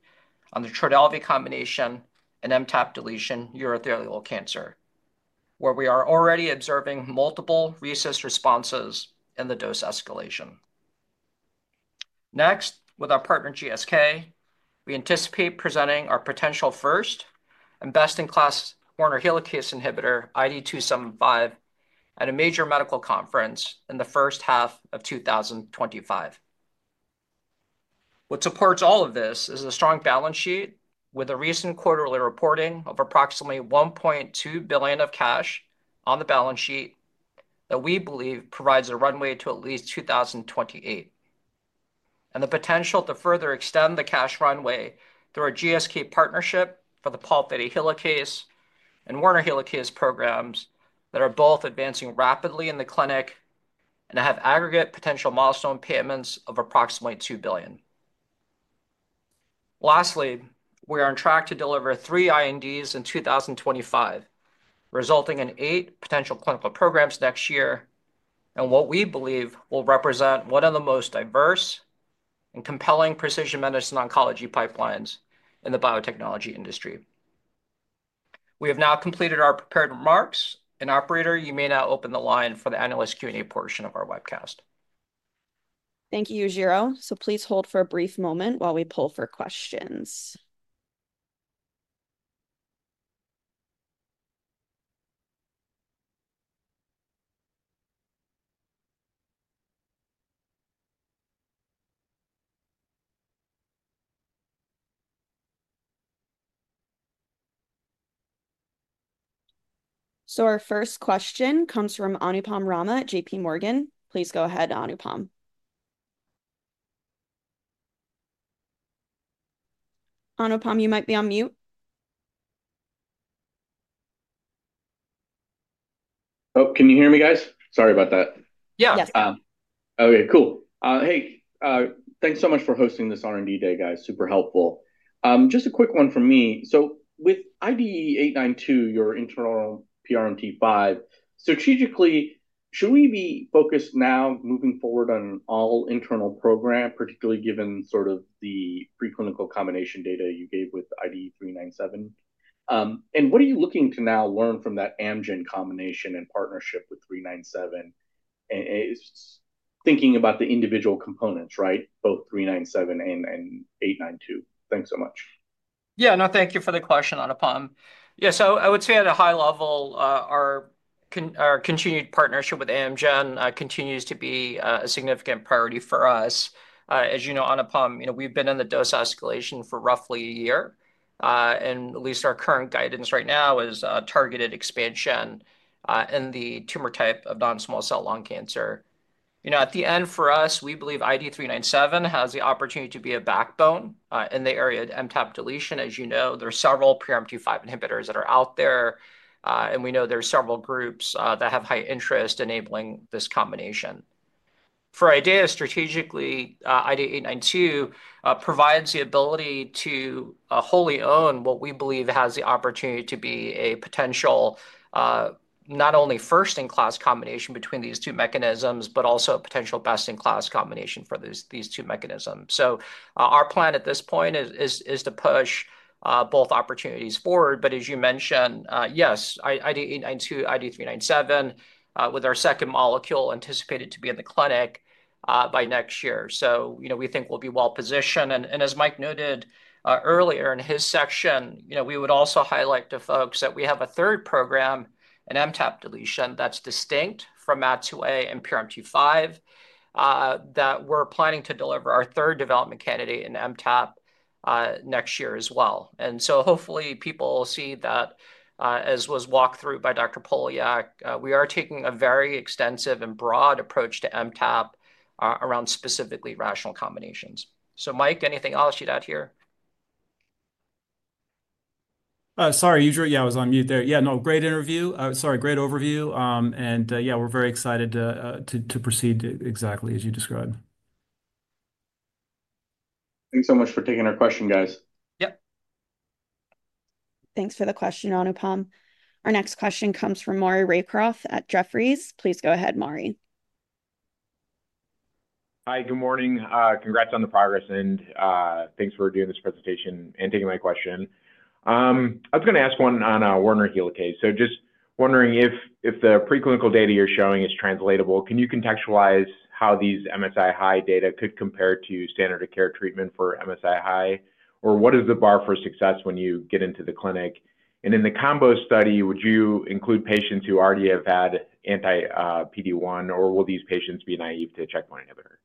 on the Trodelvy combination and MTAP deletion urothelial cancer, where we are already observing multiple RECIST responses in the dose escalation. Next, with our partner GSK, we anticipate presenting our potential first and best-in-class Werner helicase inhibitor, IDE275, at a major medical conference in the first half of 2025. What supports all of this is a strong balance sheet with a recent quarterly reporting of approximately $1.2 billion of cash on the balance sheet that we believe provides a runway to at least 2028 and the potential to further extend the cash runway through our GSK partnership for the Werner helicase and Pol Theta programs that are both advancing rapidly in the clinic and have aggregate potential milestone payments of approximately $2 billion. Lastly, we are on track to deliver three INDs in 2025, resulting in eight potential clinical programs next year, and what we believe will represent one of the most diverse and compelling precision medicine oncology pipelines in the biotechnology industry. We have now completed our prepared remarks, and operator, you may now open the line for the analyst Q&A portion of our webcast. Thank you, Yujiro. Please hold for a brief moment while we pull up questions. Our first question comes from Anupam Rama at JPMorgan. Please go ahead, Anupam. Anupam, you might be on mute. Oh, can you hear me, guys? Sorry about that. Yeah. Yes. Okay, cool. Hey, thanks so much for hosting this R&D day, guys. Super helpful. Just a quick one from me. So with IDE892, your internal PRMT5, strategically, should we be focused now moving forward on an all-internal program, particularly given sort of the preclinical combination data you gave with IDE397? And what are you looking to now learn from that Amgen combination and partnership with IDE397? And it's thinking about the individual components, right? Both IDE397 and IDE892. Thanks so much. Yeah, no, thank you for the question, Anupam. Yeah, so I would say at a high level, our continued partnership with Amgen continues to be a significant priority for us. As you know, Anupam, we've been in the dose escalation for roughly a year, and at least our current guidance right now is targeted expansion in the tumor type of non-small cell lung cancer. You know, at the end for us, we believe IDE397 has the opportunity to be a backbone in the area of MTAP deletion. As you know, there are several PRMT5 inhibitors that are out there, and we know there are several groups that have high interest enabling this combination. For IDEAYA, strategically, IDE892 provides the ability to wholly own what we believe has the opportunity to be a potential not only first-in-class combination between these two mechanisms, but also a potential best-in-class combination for these two mechanisms. So our plan at this point is to push both opportunities forward. But as you mentioned, yes, IDE892, IDE397, with our second molecule anticipated to be in the clinic by next year. So we think we'll be well positioned. And as Mike noted earlier in his section, we would also highlight to folks that we have a third program, an MTAP deletion that's distinct from MAT2A and PRMT5, that we're planning to deliver our third development candidate in MTAP next year as well. And so hopefully people will see that, as was walked through by Dr. Polyak, we are taking a very extensive and broad approach to MTAP around specifically rational combinations. So Mike, anything else you'd add here? Sorry, Yujiro, yeah, I was on mute there. Yeah, no, great interview. Sorry, great overview. And yeah, we're very excited to proceed exactly as you described. Thanks so much for taking our question, guys. Yep. Thanks for the question, Anupam. Our next question comes from Maury Raycroft at Jefferies. Please go ahead, Maury. Hi, good morning. Congrats on the progress, and thanks for doing this presentation and taking my question. I was going to ask one on a Werner helicase. So just wondering if the preclinical data you're showing is translatable. Can you contextualize how these MSI-High data could compare to standard of care treatment for MSI-High? Or what is the bar for success when you get into the clinic? And in the combo study, would you include patients who already have had anti-PD-1, or will these patients be naive to checkpoint inhibitor?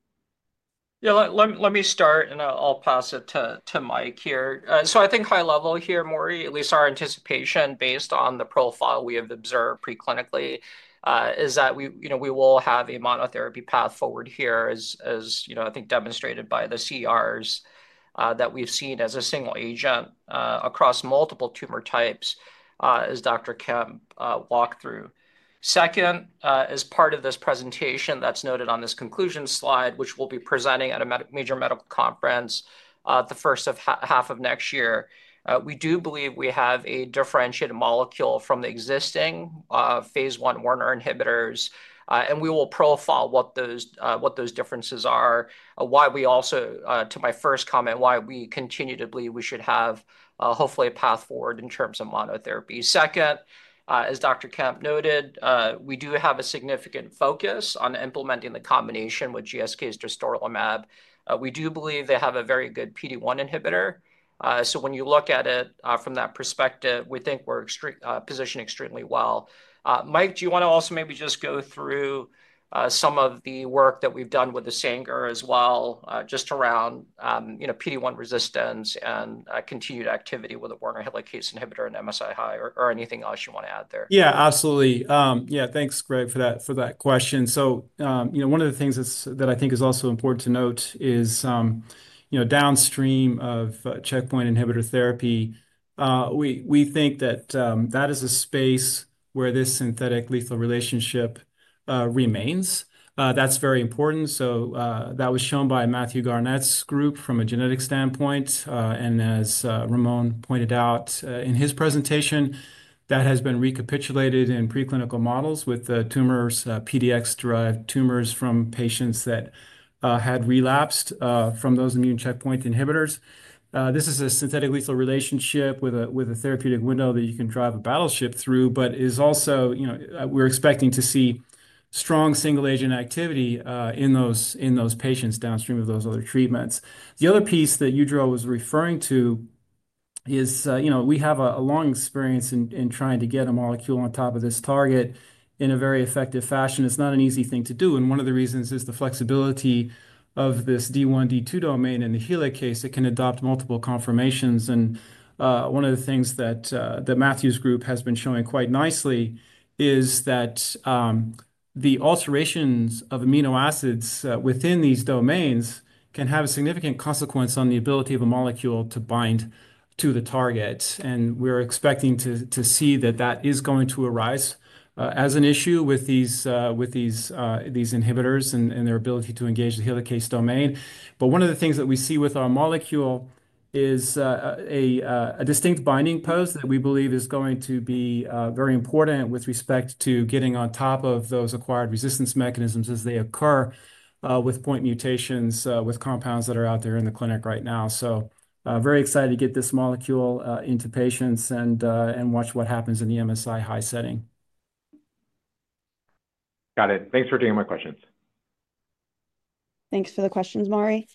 Yeah, let me start, and I'll pass it to Mike here. So I think high level here, Maury, at least our anticipation based on the profile we have observed preclinically is that we will have a monotherapy path forward here, as I think demonstrated by the CRs that we've seen as a single agent across multiple tumor types, as Dr. Kemp walked through. Second, as part of this presentation that's noted on this conclusion slide, which we'll be presenting at a major medical conference the first half of next year, we do believe we have a differentiated molecule from the existing phase I Werner inhibitors. And we will profile what those differences are, why we also, to my first comment, why we continue to believe we should have hopefully a path forward in terms of monotherapy. Second, as Dr. Kemp noted, we do have a significant focus on implementing the combination with GSK's Dostarlimab. We do believe they have a very good PD-1 inhibitor. So when you look at it from that perspective, we think we're positioned extremely well. Mike, do you want to also maybe just go through some of the work that we've done with the Sanger as well just around PD-1 resistance and continued activity with a Werner helicase inhibitor and MSI-High or anything else you want to add there? Yeah, absolutely. Yeah, thanks Ray, for that question. So one of the things that I think is also important to note is downstream of checkpoint inhibitor therapy, we think that that is a space where this synthetic lethal relationship remains. That's very important. So that was shown by Mathew Garnett's group from a genetic standpoint. And as Ramon pointed out in his presentation, that has been recapitulated in preclinical models with the tumors, PDX-derived tumors from patients that had relapsed from those immune checkpoint inhibitors. This is a synthetic lethal relationship with a therapeutic window that you can drive a battleship through, but is also, we're expecting to see strong single-agent activity in those patients downstream of those other treatments. The other piece that YuJiro was referring to is we have a long experience in trying to get a molecule on top of this target in a very effective fashion. It's not an easy thing to do. And one of the reasons is the flexibility of this D1, D2 domain in the helicase. It can adopt multiple conformations. And one of the things that Matthew's group has been showing quite nicely is that the alterations of amino acids within these domains can have a significant consequence on the ability of a molecule to bind to the target. And we're expecting to see that that is going to arise as an issue with these inhibitors and their ability to engage the helicase domain. But one of the things that we see with our molecule is a distinct binding pose that we believe is going to be very important with respect to getting on top of those acquired resistance mechanisms as they occur with point mutations with compounds that are out there in the clinic right now. So very excited to get this molecule into patients and watch what happens in the MSI-High setting. Got it. Thanks for taking my questions. Thanks for the questions, Maury.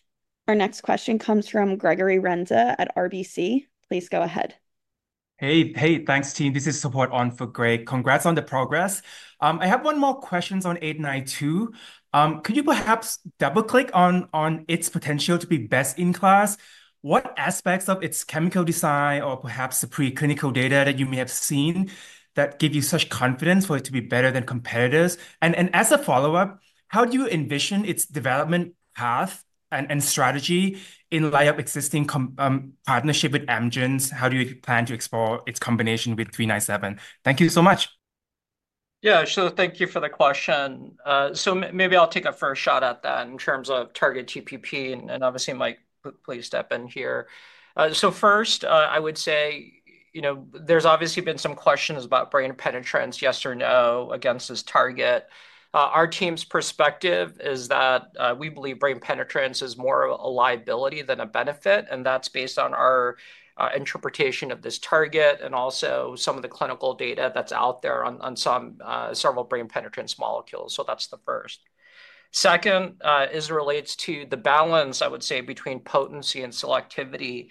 Our next question comes from Gregory Renza at RBC. Please go ahead. Hey, hey, thanks, team. This is Supriya on for Greg. Congrats on the progress. I have one more question on 892. Could you perhaps double-click on its potential to be best in class? What aspects of its chemical design or perhaps the preclinical data that you may have seen that give you such confidence for it to be better than competitors? And as a follow-up, how do you envision its development path and strategy in light of existing partnership with Amgen? How do you plan to explore its combination with 397? Thank you so much. Yeah, sure. Thank you for the question. So maybe I'll take a first shot at that in terms of target TPP. And obviously, Mike, please step in here. First, I would say there's obviously been some questions about brain penetrance, yes or no, against this target. Our team's perspective is that we believe brain penetrance is more of a liability than a benefit. And that's based on our interpretation of this target and also some of the clinical data that's out there on some several brain penetrance molecules. That's the first. Second, as it relates to the balance, I would say, between potency and selectivity,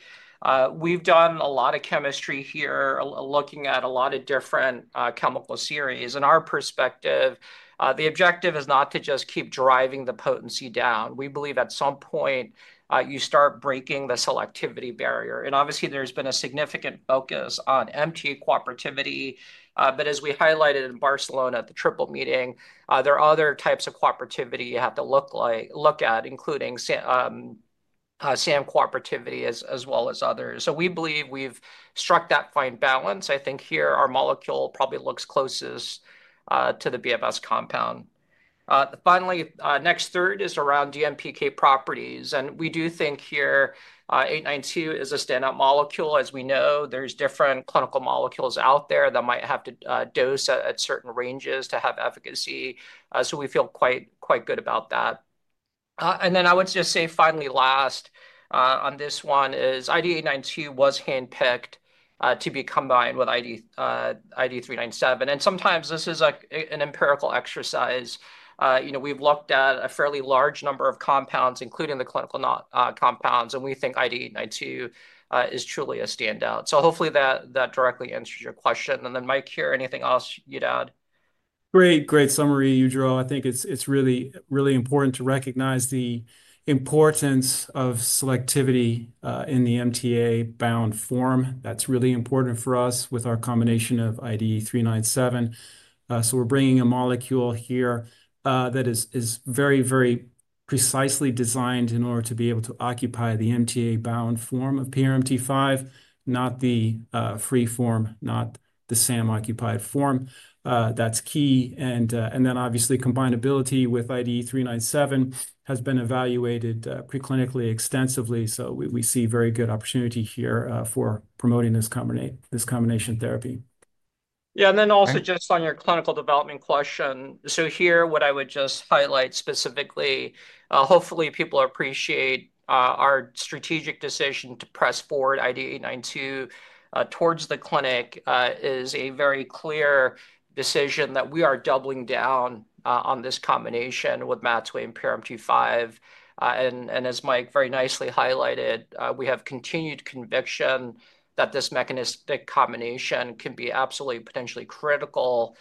we've done a lot of chemistry here looking at a lot of different chemical series. And our perspective, the objective is not to just keep driving the potency down. We believe at some point, you start breaking the selectivity barrier. And obviously, there's been a significant focus on MT cooperativity. But as we highlighted in Barcelona at the Triple Meeting, there are other types of cooperativity you have to look at, including SAM cooperativity as well as others. So we believe we've struck that fine balance. I think here our molecule probably looks closest to the BMS compound. Finally, the next third is around DMPK properties. And we do think here IDE892 is a standout molecule. As we know, there's different clinical molecules out there that might have to dose at certain ranges to have efficacy. So we feel quite good about that. And then I would just say, finally, last on this one is IDE892 was handpicked to be combined with IDE397. And sometimes this is an empirical exercise. We've looked at a fairly large number of compounds, including the clinical compounds. And we think IDE892 is truly a standout. So hopefully that directly answers your question. And then, Mike, here, anything else you'd add? Great, great summary, Yujiro. I think it's really important to recognize the importance of selectivity in the MTA bound form. That's really important for us with our combination of IDE397. So we're bringing a molecule here that is very, very precisely designed in order to be able to occupy the MTA bound form of PRMT5, not the free form, not the SAM-occupied form. That's key. And then, obviously, combinability with IDE397 has been evaluated preclinically extensively. So we see very good opportunity here for promoting this combination therapy. Yeah. And then also just on your clinical development question. So here, what I would just highlight specifically, hopefully people appreciate our strategic decision to press forward IDE892 towards the clinic is a very clear decision that we are doubling down on this combination with MAT2A and PRMT5. As Mike very nicely highlighted, we have continued conviction that this mechanistic combination can be absolutely potentially critical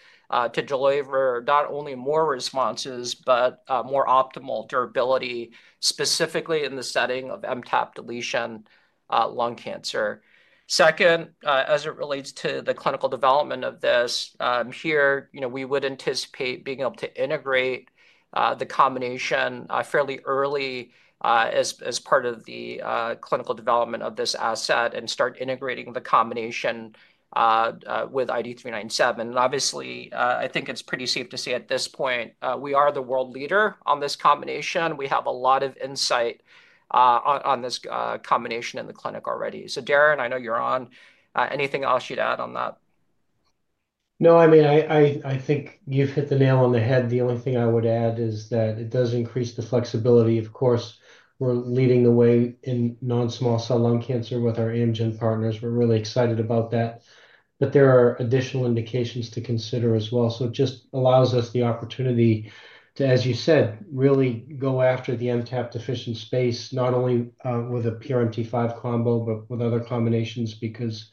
to deliver not only more responses, but more optimal durability, specifically in the setting of MTAP deletion lung cancer. Second, as it relates to the clinical development of this, here, we would anticipate being able to integrate the combination fairly early as part of the clinical development of this asset and start integrating the combination with IDE397. And obviously, I think it's pretty safe to say at this point, we are the world leader on this combination. We have a lot of insight on this combination in the clinic already. So Darrin, I know you're on. Anything else you'd add on that? No, I mean, I think you've hit the nail on the head. The only thing I would add is that it does increase the flexibility. Of course, we're leading the way in non-small cell lung cancer with our Amgen partners. We're really excited about that. But there are additional indications to consider as well. So it just allows us the opportunity to, as you said, really go after the MTAP deficient space, not only with a PRMT5 combo, but with other combinations because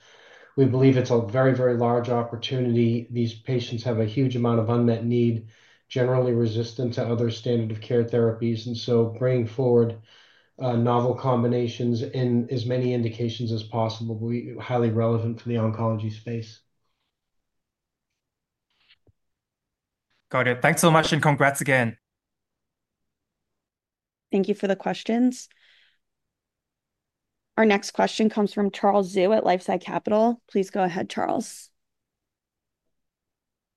we believe it's a very, very large opportunity. These patients have a huge amount of unmet need, generally resistant to other standard of care therapies. And so bringing forward novel combinations in as many indications as possible will be highly relevant for the oncology space. Got it. Thanks so much and congrats again. Thank you for the questions. Our next question comes from Charles Zhu at LifeSci Capital. Please go ahead, Charles.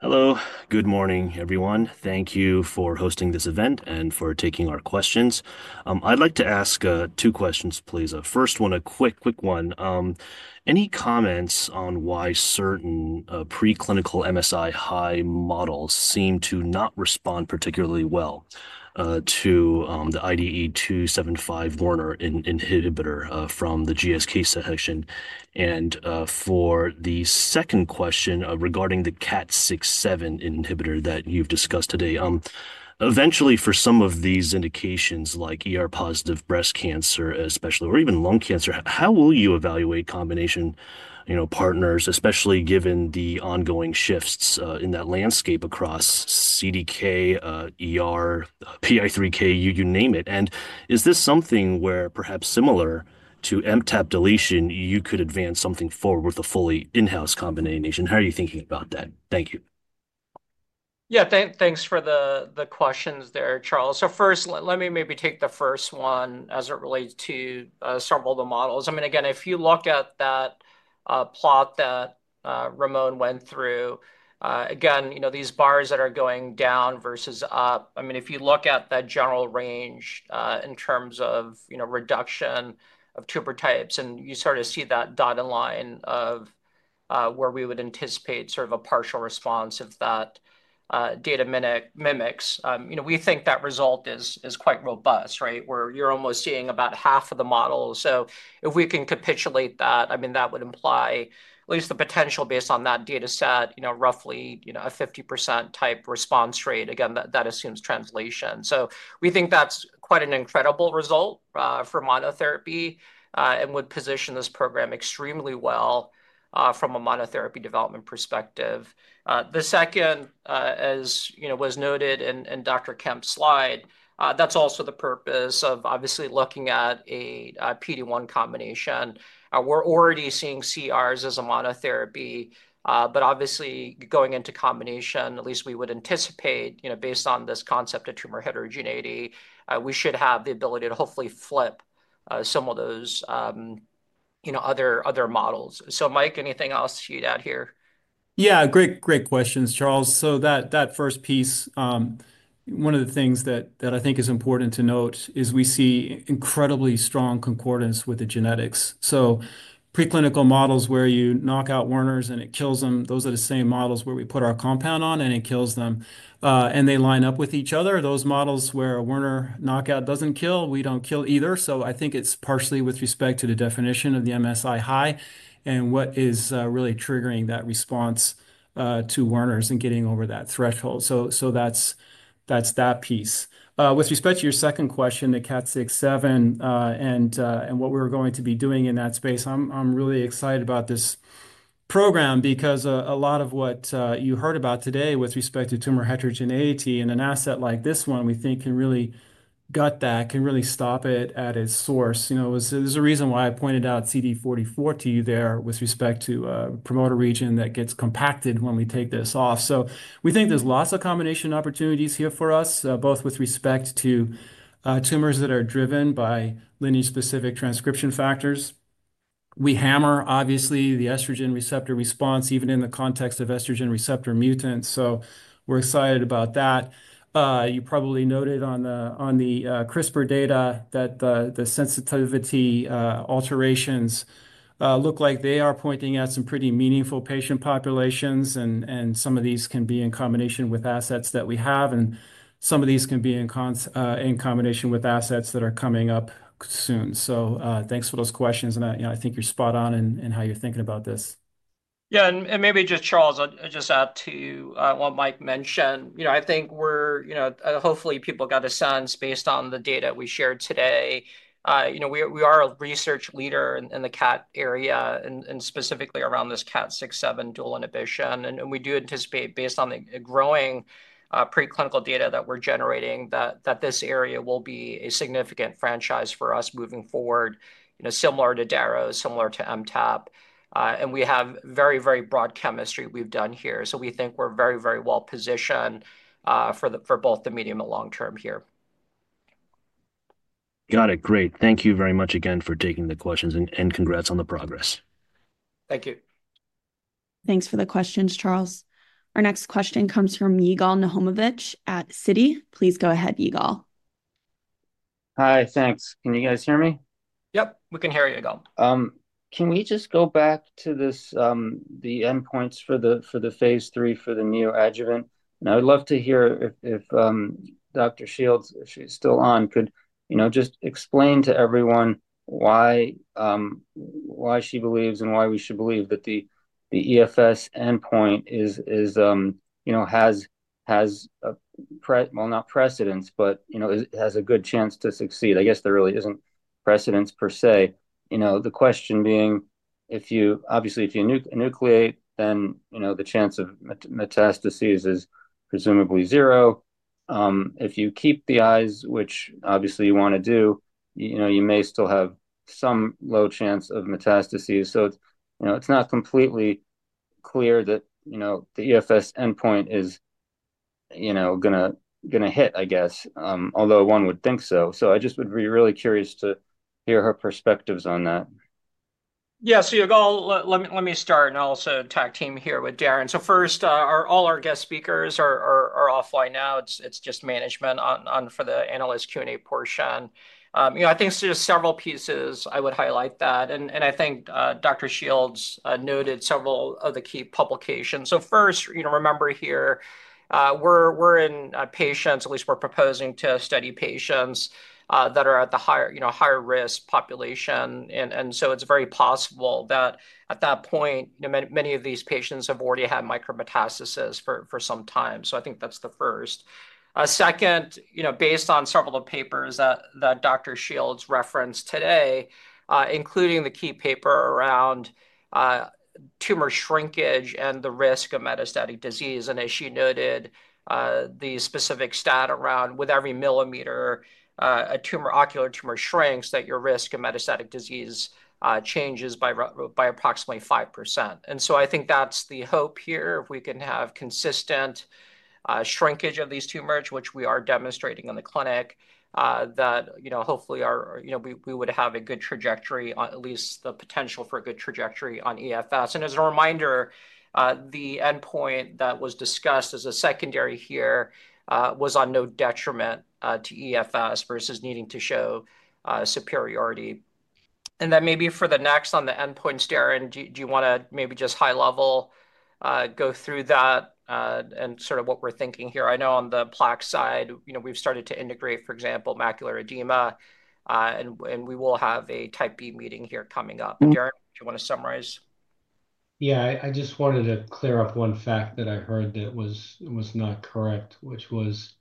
Hello. Good morning, everyone. Thank you for hosting this event and for taking our questions. I'd like to ask two questions, please. First one, a quick, quick one. Any comments on why certain preclinical MSI-High models seem to not respond particularly well to the Werner helicase inhibitor from the GSK section? And for the second question regarding the KAT6/7 inhibitor that you've discussed today, eventually, for some of these indications like ER-positive breast cancer, especially, or even lung cancer, how will you evaluate combination partners, especially given the ongoing shifts in that landscape across CDK, PI3K, you name it? And is this something where perhaps similar to MTAP deletion, you could advance something forward with a fully in-house combination? How are you thinking about that? Thank you. Yeah, thanks for the questions there, Charles. So first, let me maybe take the first one as it relates to several of the models. I mean, again, if you look at that plot that Ramon went through, again, these bars that are going down versus up, I mean, if you look at that general range in terms of reduction of tumor types, and you sort of see that dotted line of where we would anticipate sort of a partial response if that data mimics, we think that result is quite robust, right? Where you're almost seeing about half of the models. So if we can replicate that, I mean, that would imply at least the potential based on that data set, roughly a 50% type response rate. Again, that assumes translation. So we think that's quite an incredible result for monotherapy and would position this program extremely well from a monotherapy development perspective. The second, as was noted in Dr. Kemp's slide, that's also the purpose of obviously looking at a PD-1 combination. We're already seeing CRs as a monotherapy, but obviously, going into combination, at least we would anticipate based on this concept of tumor heterogeneity, we should have the ability to hopefully flip some of those other models. So Mike, anything else you'd add here? Yeah, great, great questions, Charles. So that first piece, one of the things that I think is important to note is we see incredibly strong concordance with the genetics. So preclinical models where you knock out Werner and it kills them, those are the same models where we put our compound on and it kills them. And they line up with each other. Those models where a Werner knockout doesn't kill, we don't kill either. So I think it's partially with respect to the definition of the MSI-high and what is really triggering that response to Werner and getting over that threshold. So that's that piece. With respect to your second question, the KAT6/7 and what we're going to be doing in that space, I'm really excited about this program because a lot of what you heard about today with respect to tumor heterogeneity in an asset like this one, we think can really gut that, can really stop it at its source. There's a reason why I pointed out CD44 to you there with respect to promoter region that gets compacted when we take this off. So we think there's lots of combination opportunities here for us, both with respect to tumors that are driven by lineage-specific transcription factors. We hammer, obviously, the estrogen receptor response, even in the context of estrogen receptor mutants. So we're excited about that. You probably noted on the CRISPR data that the sensitivity alterations look like they are pointing at some pretty meaningful patient populations. Some of these can be in combination with assets that we have. Some of these can be in combination with assets that are coming up soon. Thanks for those questions. I think you're spot on in how you're thinking about this. Yeah. Maybe just, Charles, add to what Mike mentioned. I think we're hopefully people got a sense based on the data we shared today. We are a research leader in the KAT area and specifically around this KAT6/7 dual inhibition. We do anticipate, based on the growing preclinical data that we're generating, that this area will be a significant franchise for us moving forward, similar to Daro, similar to MTAP. We have very, very broad chemistry we've done here. We think we're very, very well positioned for both the medium and long term here. Got it. Great. Thank you very much again for taking the questions and congrats on the progress. Thank you. Thanks for the questions, Charles. Our next question comes from Yigal Nochomovitz at Citi. Please go ahead, Yigal. Hi, thanks. Can you guys hear me? Yep, we can hear you, Yigal. Can we just go back to the endpoints for the phase III for the neoadjuvant? And I would love to hear if Dr. Shields, if she's still on, could just explain to everyone why she believes and why we should believe that the EFS endpoint has, well, not precedence, but it has a good chance to succeed. I guess there really isn't precedence per se. The question being, obviously, if you enucleate, then the chance of metastases is presumably zero. If you keep the eyes, which obviously you want to do, you may still have some low chance of metastases. So it's not completely clear that the EFS endpoint is going to hit, I guess, although one would think so. So I just would be really curious to hear her perspectives on that. Yeah. So, Yigal, let me start and also tag team here with Darrin. So first, all our guest speakers are offline now. It's just management for the analyst Q&A portion. I think there's several pieces I would highlight that. And I think Dr. Shields noted several of the key publications. So first, remember here, we're in patients, at least we're proposing to study patients that are at the higher risk population. And so it's very possible that at that point, many of these patients have already had micrometastasis for some time. So I think that's the first. Second, based on several of the papers that Dr. Shields referenced today, including the key paper around tumor shrinkage and the risk of metastatic disease. And as she noted, the specific stat around, with every millimeter, an ocular tumor shrinks that your risk of metastatic disease changes by approximately 5%. And so I think that's the hope here. If we can have consistent shrinkage of these tumors, which we are demonstrating in the clinic, that hopefully we would have a good trajectory, at least the potential for a good trajectory on EFS. And as a reminder, the endpoint that was discussed as a secondary here was on no detriment to EFS versus needing to show superiority. And then maybe for the next on the endpoints, Darrin, do you want to maybe just high-level go through that and sort of what we're thinking here? I know on the plaque side, we've started to integrate, for example, macular edema. And we will have a type B meeting here coming up. Darrin, do you want to summarize? Yeah. I just wanted to clear up one fact that I heard that was not correct, which was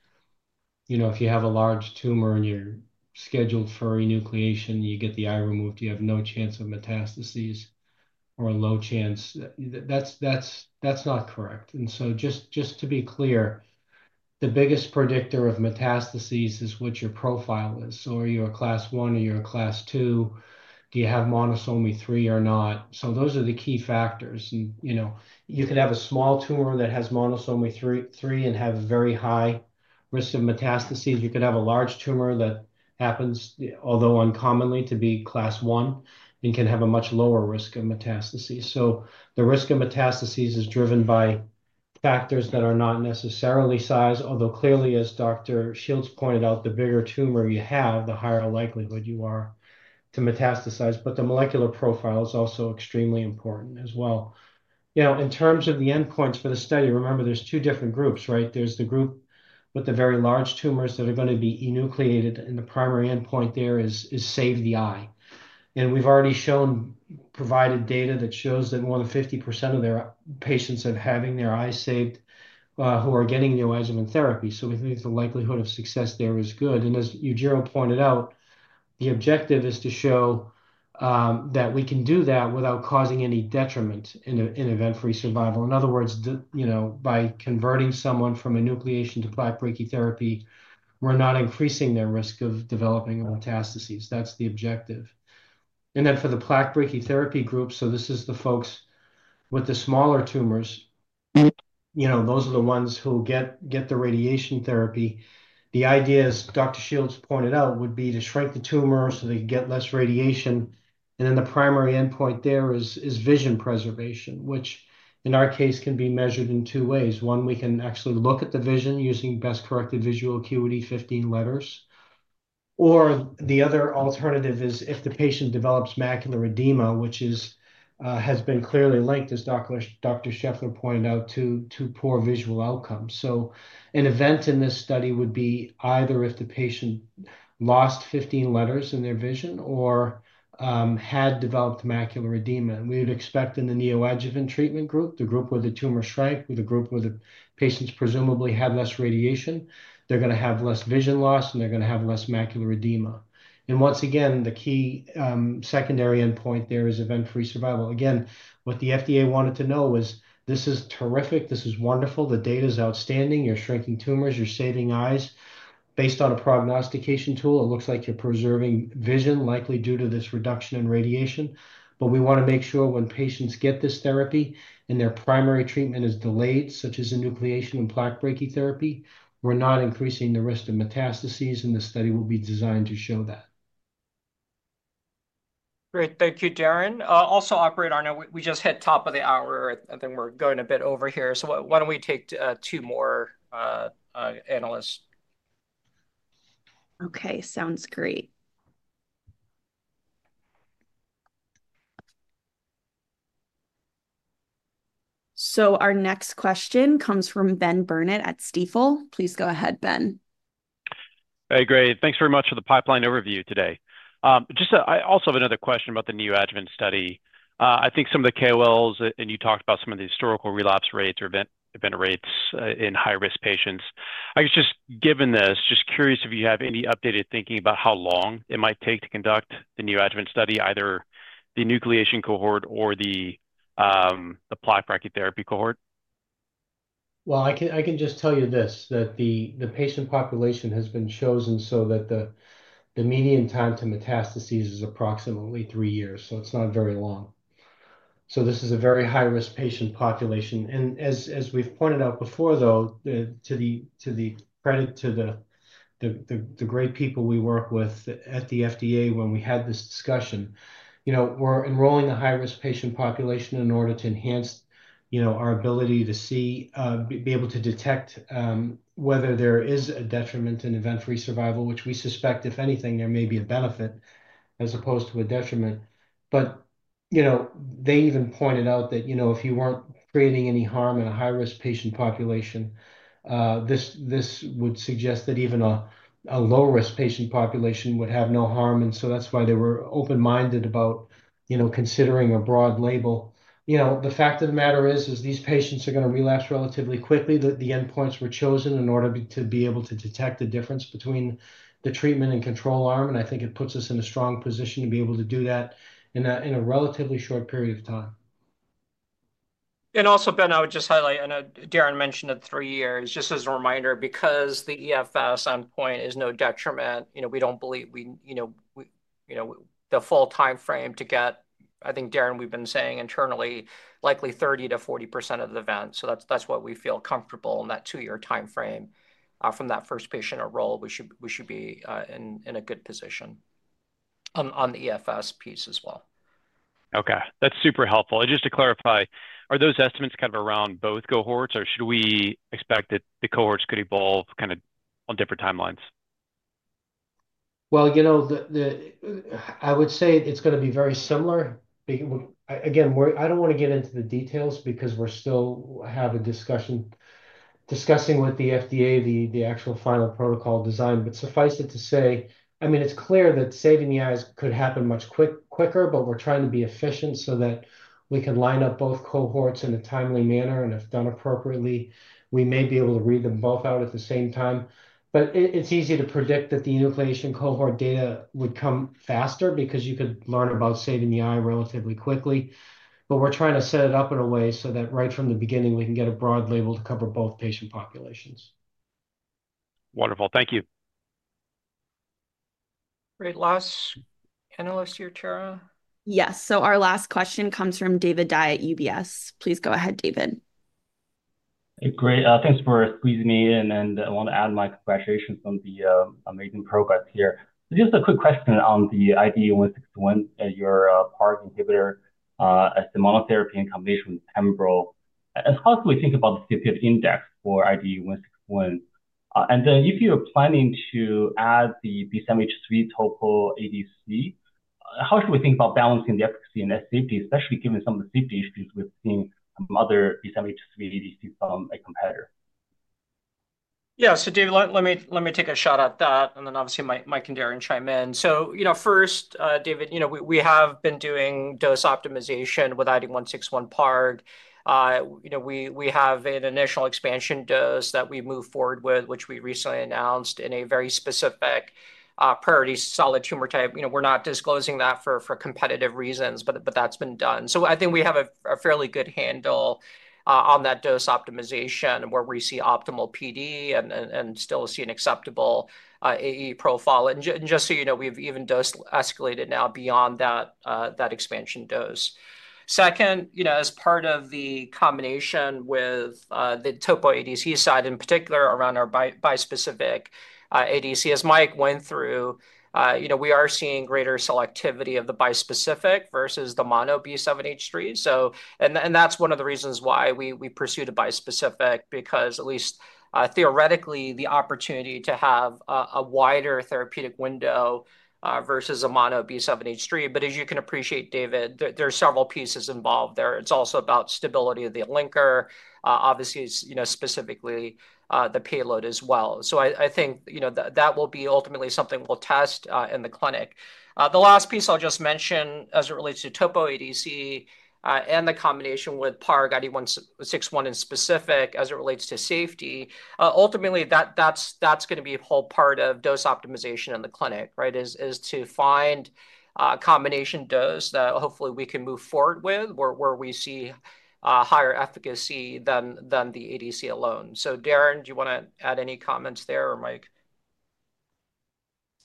if you have a large tumor and you're scheduled for enucleation, you get the eye removed, you have no chance of metastases or a low chance. That's not correct. And so just to be clear, the biggest predictor of metastases is what your profile is. So are you a Class 1 or you're a Class 2? Do you have Monosomy 3 or not? So those are the key factors. And you can have a small tumor that has Monosomy 3 and have very high risk of metastases. You can have a large tumor that happens, although uncommonly, to be Class 1 and can have a much lower risk of metastases. So the risk of metastases is driven by factors that are not necessarily size. Although clearly, as Dr. Shields pointed out, the bigger tumor you have, the higher likelihood you are to metastasize. But the molecular profile is also extremely important as well. In terms of the endpoints for the study, remember, there's two different groups, right? There's the group with the very large tumors that are going to be enucleated. And the primary endpoint there is save the eye. And we've already shown, provided data that shows that more than 50% of their patients are having their eyes saved who are getting neoadjuvant therapy. So we think the likelihood of success there is good. And as Yujiro pointed out, the objective is to show that we can do that without causing any detriment in event-free survival. In other words, by converting someone from enucleation to plaque brachytherapy, we're not increasing their risk of developing metastases. That's the objective. And then for the plaque brachytherapy group, so this is the folks with the smaller tumors. Those are the ones who get the radiation therapy. The idea is, Dr. Shields pointed out, would be to shrink the tumor so they can get less radiation. And then the primary endpoint there is vision preservation, which in our case can be measured in two ways. One, we can actually look at the vision using best-corrected visual acuity 15 letters. Or the other alternative is if the patient develops macular edema, which has been clearly linked, as Dr. Scheffler pointed out, to poor visual outcomes. So an event in this study would be either if the patient lost 15 letters in their vision or had developed macular edema. We would expect in the neoadjuvant treatment group, the group where the tumor shrank, the group where the patients presumably had less radiation, they're going to have less vision loss and they're going to have less macular edema. Once again, the key secondary endpoint there is event-free survival. Again, what the FDA wanted to know is, "This is terrific. This is wonderful. The data is outstanding. You're shrinking tumors. You're saving eyes." Based on a prognostication tool, it looks like you're preserving vision likely due to this reduction in radiation. We want to make sure when patients get this therapy and their primary treatment is delayed, such as enucleation and plaque brachytherapy, we're not increasing the risk of metastases. The study will be designed to show that. Great. Thank you, Darrin. Also, Operator, I know we just hit top of the hour. I think we're going a bit over here. So why don't we take two more analysts? Okay. Sounds great. So our next question comes from Ben Burnett at Stifel. Please go ahead, Ben. Hey, great. Thanks very much for the pipeline overview today. I also have another question about the neoadjuvant study. I think some of the KOLs and you talked about some of the historical relapse rates or event rates in high-risk patients. I guess just given this, just curious if you have any updated thinking about how long it might take to conduct the neoadjuvant study, either the enucleation cohort or the plaque brachytherapy cohort? Well, I can just tell you this, that the patient population has been chosen so that the median time to metastases is approximately three years. So it's not very long. So this is a very high-risk patient population. As we've pointed out before, though, to the credit to the great people we work with at the FDA when we had this discussion, we're enrolling a high-risk patient population in order to enhance our ability to be able to detect whether there is a detriment in event-free survival, which we suspect, if anything, there may be a benefit as opposed to a detriment. But they even pointed out that if you weren't creating any harm in a high-risk patient population, this would suggest that even a low-risk patient population would have no harm. And so that's why they were open-minded about considering a broad label. The fact of the matter is these patients are going to relapse relatively quickly. The endpoints were chosen in order to be able to detect the difference between the treatment and control arm. I think it puts us in a strong position to be able to do that in a relatively short period of time. And also, Ben, I would just highlight, and Darrin mentioned the three years, just as a reminder, because the EFS endpoint is no detriment. We don't believe the full timeframe to get, I think, Darrin, we've been saying internally, likely 30%-40% of the event. So that's what we feel comfortable in that two-year timeframe from that first patient enroll. We should be in a good position on the EFS piece as well. Okay. That's super helpful. And just to clarify, are those estimates kind of around both cohorts, or should we expect that the cohorts could evolve kind of on different timelines? Well, I would say it's going to be very similar. Again, I don't want to get into the details because we're still having a discussion with the FDA, the actual final protocol design. But suffice it to say, I mean, it's clear that saving the eyes could happen much quicker, but we're trying to be efficient so that we can line up both cohorts in a timely manner. And if done appropriately, we may be able to read them both out at the same time. But it's easy to predict that the enucleation cohort data would come faster because you could learn about saving the eye relatively quickly. But we're trying to set it up in a way so that right from the beginning, we can get a broad label to cover both patient populations. Wonderful. Thank you. Great. Last analyst here, Tara. Yes. So our last question comes from David Dai at UBS. Please go ahead, David. Hey, great. Thanks for squeezing me in. And I want to add my congratulations on the amazing progress here. Just a quick question on the IDE161, your PARG inhibitor, as the monotherapy in combination with Pembrol. As possible, we think about the safety of index for IDE161. And then if you're planning to add the B7H3 Topo ADC, how should we think about balancing the efficacy and safety, especially given some of the safety issues we've seen from other B7H3 ADC from a competitor? Yeah. So, David, let me take a shot at that. And then obviously, Mike and Darrin chime in. So first, David, we have been doing dose optimization with IDE161 PARG. We have an initial expansion dose that we moved forward with, which we recently announced in a very specific priority solid tumor type. We're not disclosing that for competitive reasons, but that's been done. I think we have a fairly good handle on that dose optimization where we see optimal PD and still see an acceptable AE profile. And just so you know, we've even dose escalated now beyond that expansion dose. Second, as part of the combination with the Topo ADC side in particular around our bispecific ADC, as Mike went through, we are seeing greater selectivity of the bispecific versus the mono B7H3. And that's one of the reasons why we pursued a bispecific because, at least theoretically, the opportunity to have a wider therapeutic window versus a mono B7H3. But as you can appreciate, David, there are several pieces involved there. It's also about stability of the linker, obviously, specifically the payload as well. So I think that will be ultimately something we'll test in the clinic. The last piece I'll just mention as it relates to Topo ADC and the combination with PARG IDE161 in specific as it relates to safety. Ultimately, that's going to be a whole part of dose optimization in the clinic, right, is to find a combination dose that hopefully we can move forward with where we see higher efficacy than the ADC alone. So, Darrin, do you want to add any comments there or Mike?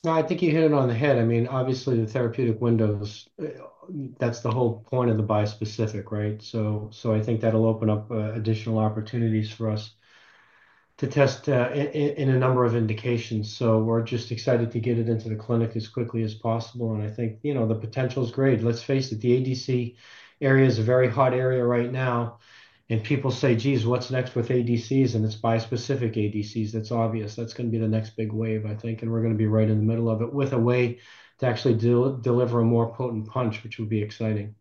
No, I think you hit it on the head. I mean, obviously, the therapeutic windows, that's the whole point of the bispecific, right? So I think that'll open up additional opportunities for us to test in a number of indications. So we're just excited to get it into the clinic as quickly as possible. And I think the potential is great. Let's face it, the ADC area is a very hot area right now. People say, "Geez, what's next with ADCs?" It's bispecific ADCs. That's obvious. That's going to be the next big wave, I think. We're going to be right in the middle of it with a way to actually deliver a more potent punch, which would be exciting.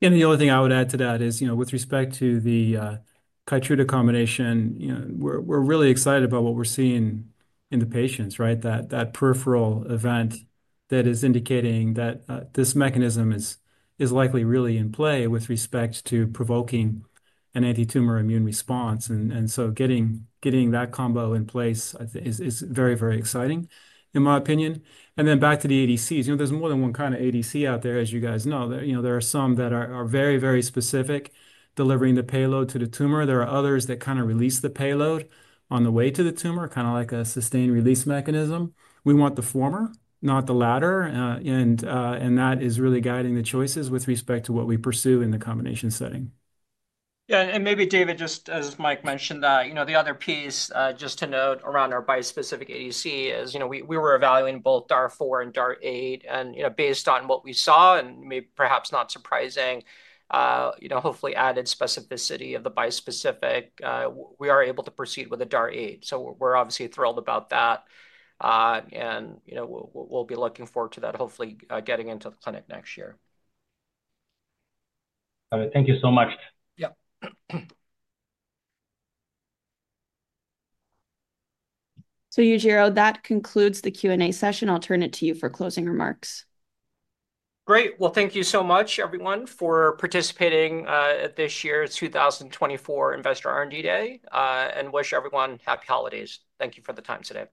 The only thing I would add to that is with respect to the Keytruda combination, we're really excited about what we're seeing in the patients, right? That peripheral event that is indicating that this mechanism is likely really in play with respect to provoking an anti-tumor immune response. So getting that combo in place is very, very exciting, in my opinion. Then back to the ADCs. There's more than one kind of ADC out there, as you guys know. There are some that are very, very specific, delivering the payload to the tumor. There are others that kind of release the payload on the way to the tumor, kind of like a sustained release mechanism. We want the former, not the latter. And that is really guiding the choices with respect to what we pursue in the combination setting. Yeah. And maybe, David, just as Mike mentioned, the other piece just to note around our bispecific ADC is we were evaluating both DAR4 and DAR8. And based on what we saw, and maybe perhaps not surprising, hopefully added specificity of the bispecific, we are able to proceed with a DAR8. So we're obviously thrilled about that. And we'll be looking forward to that, hopefully getting into the clinic next year. Got it. Thank you so much. Yep. So, Yujiro, that concludes the Q&A session. I'll turn it to you for closing remarks. Great. Thank you so much, everyone, for participating at this year's 2024 Investor R&D Day. Wish everyone happy holidays. Thank you for the time today.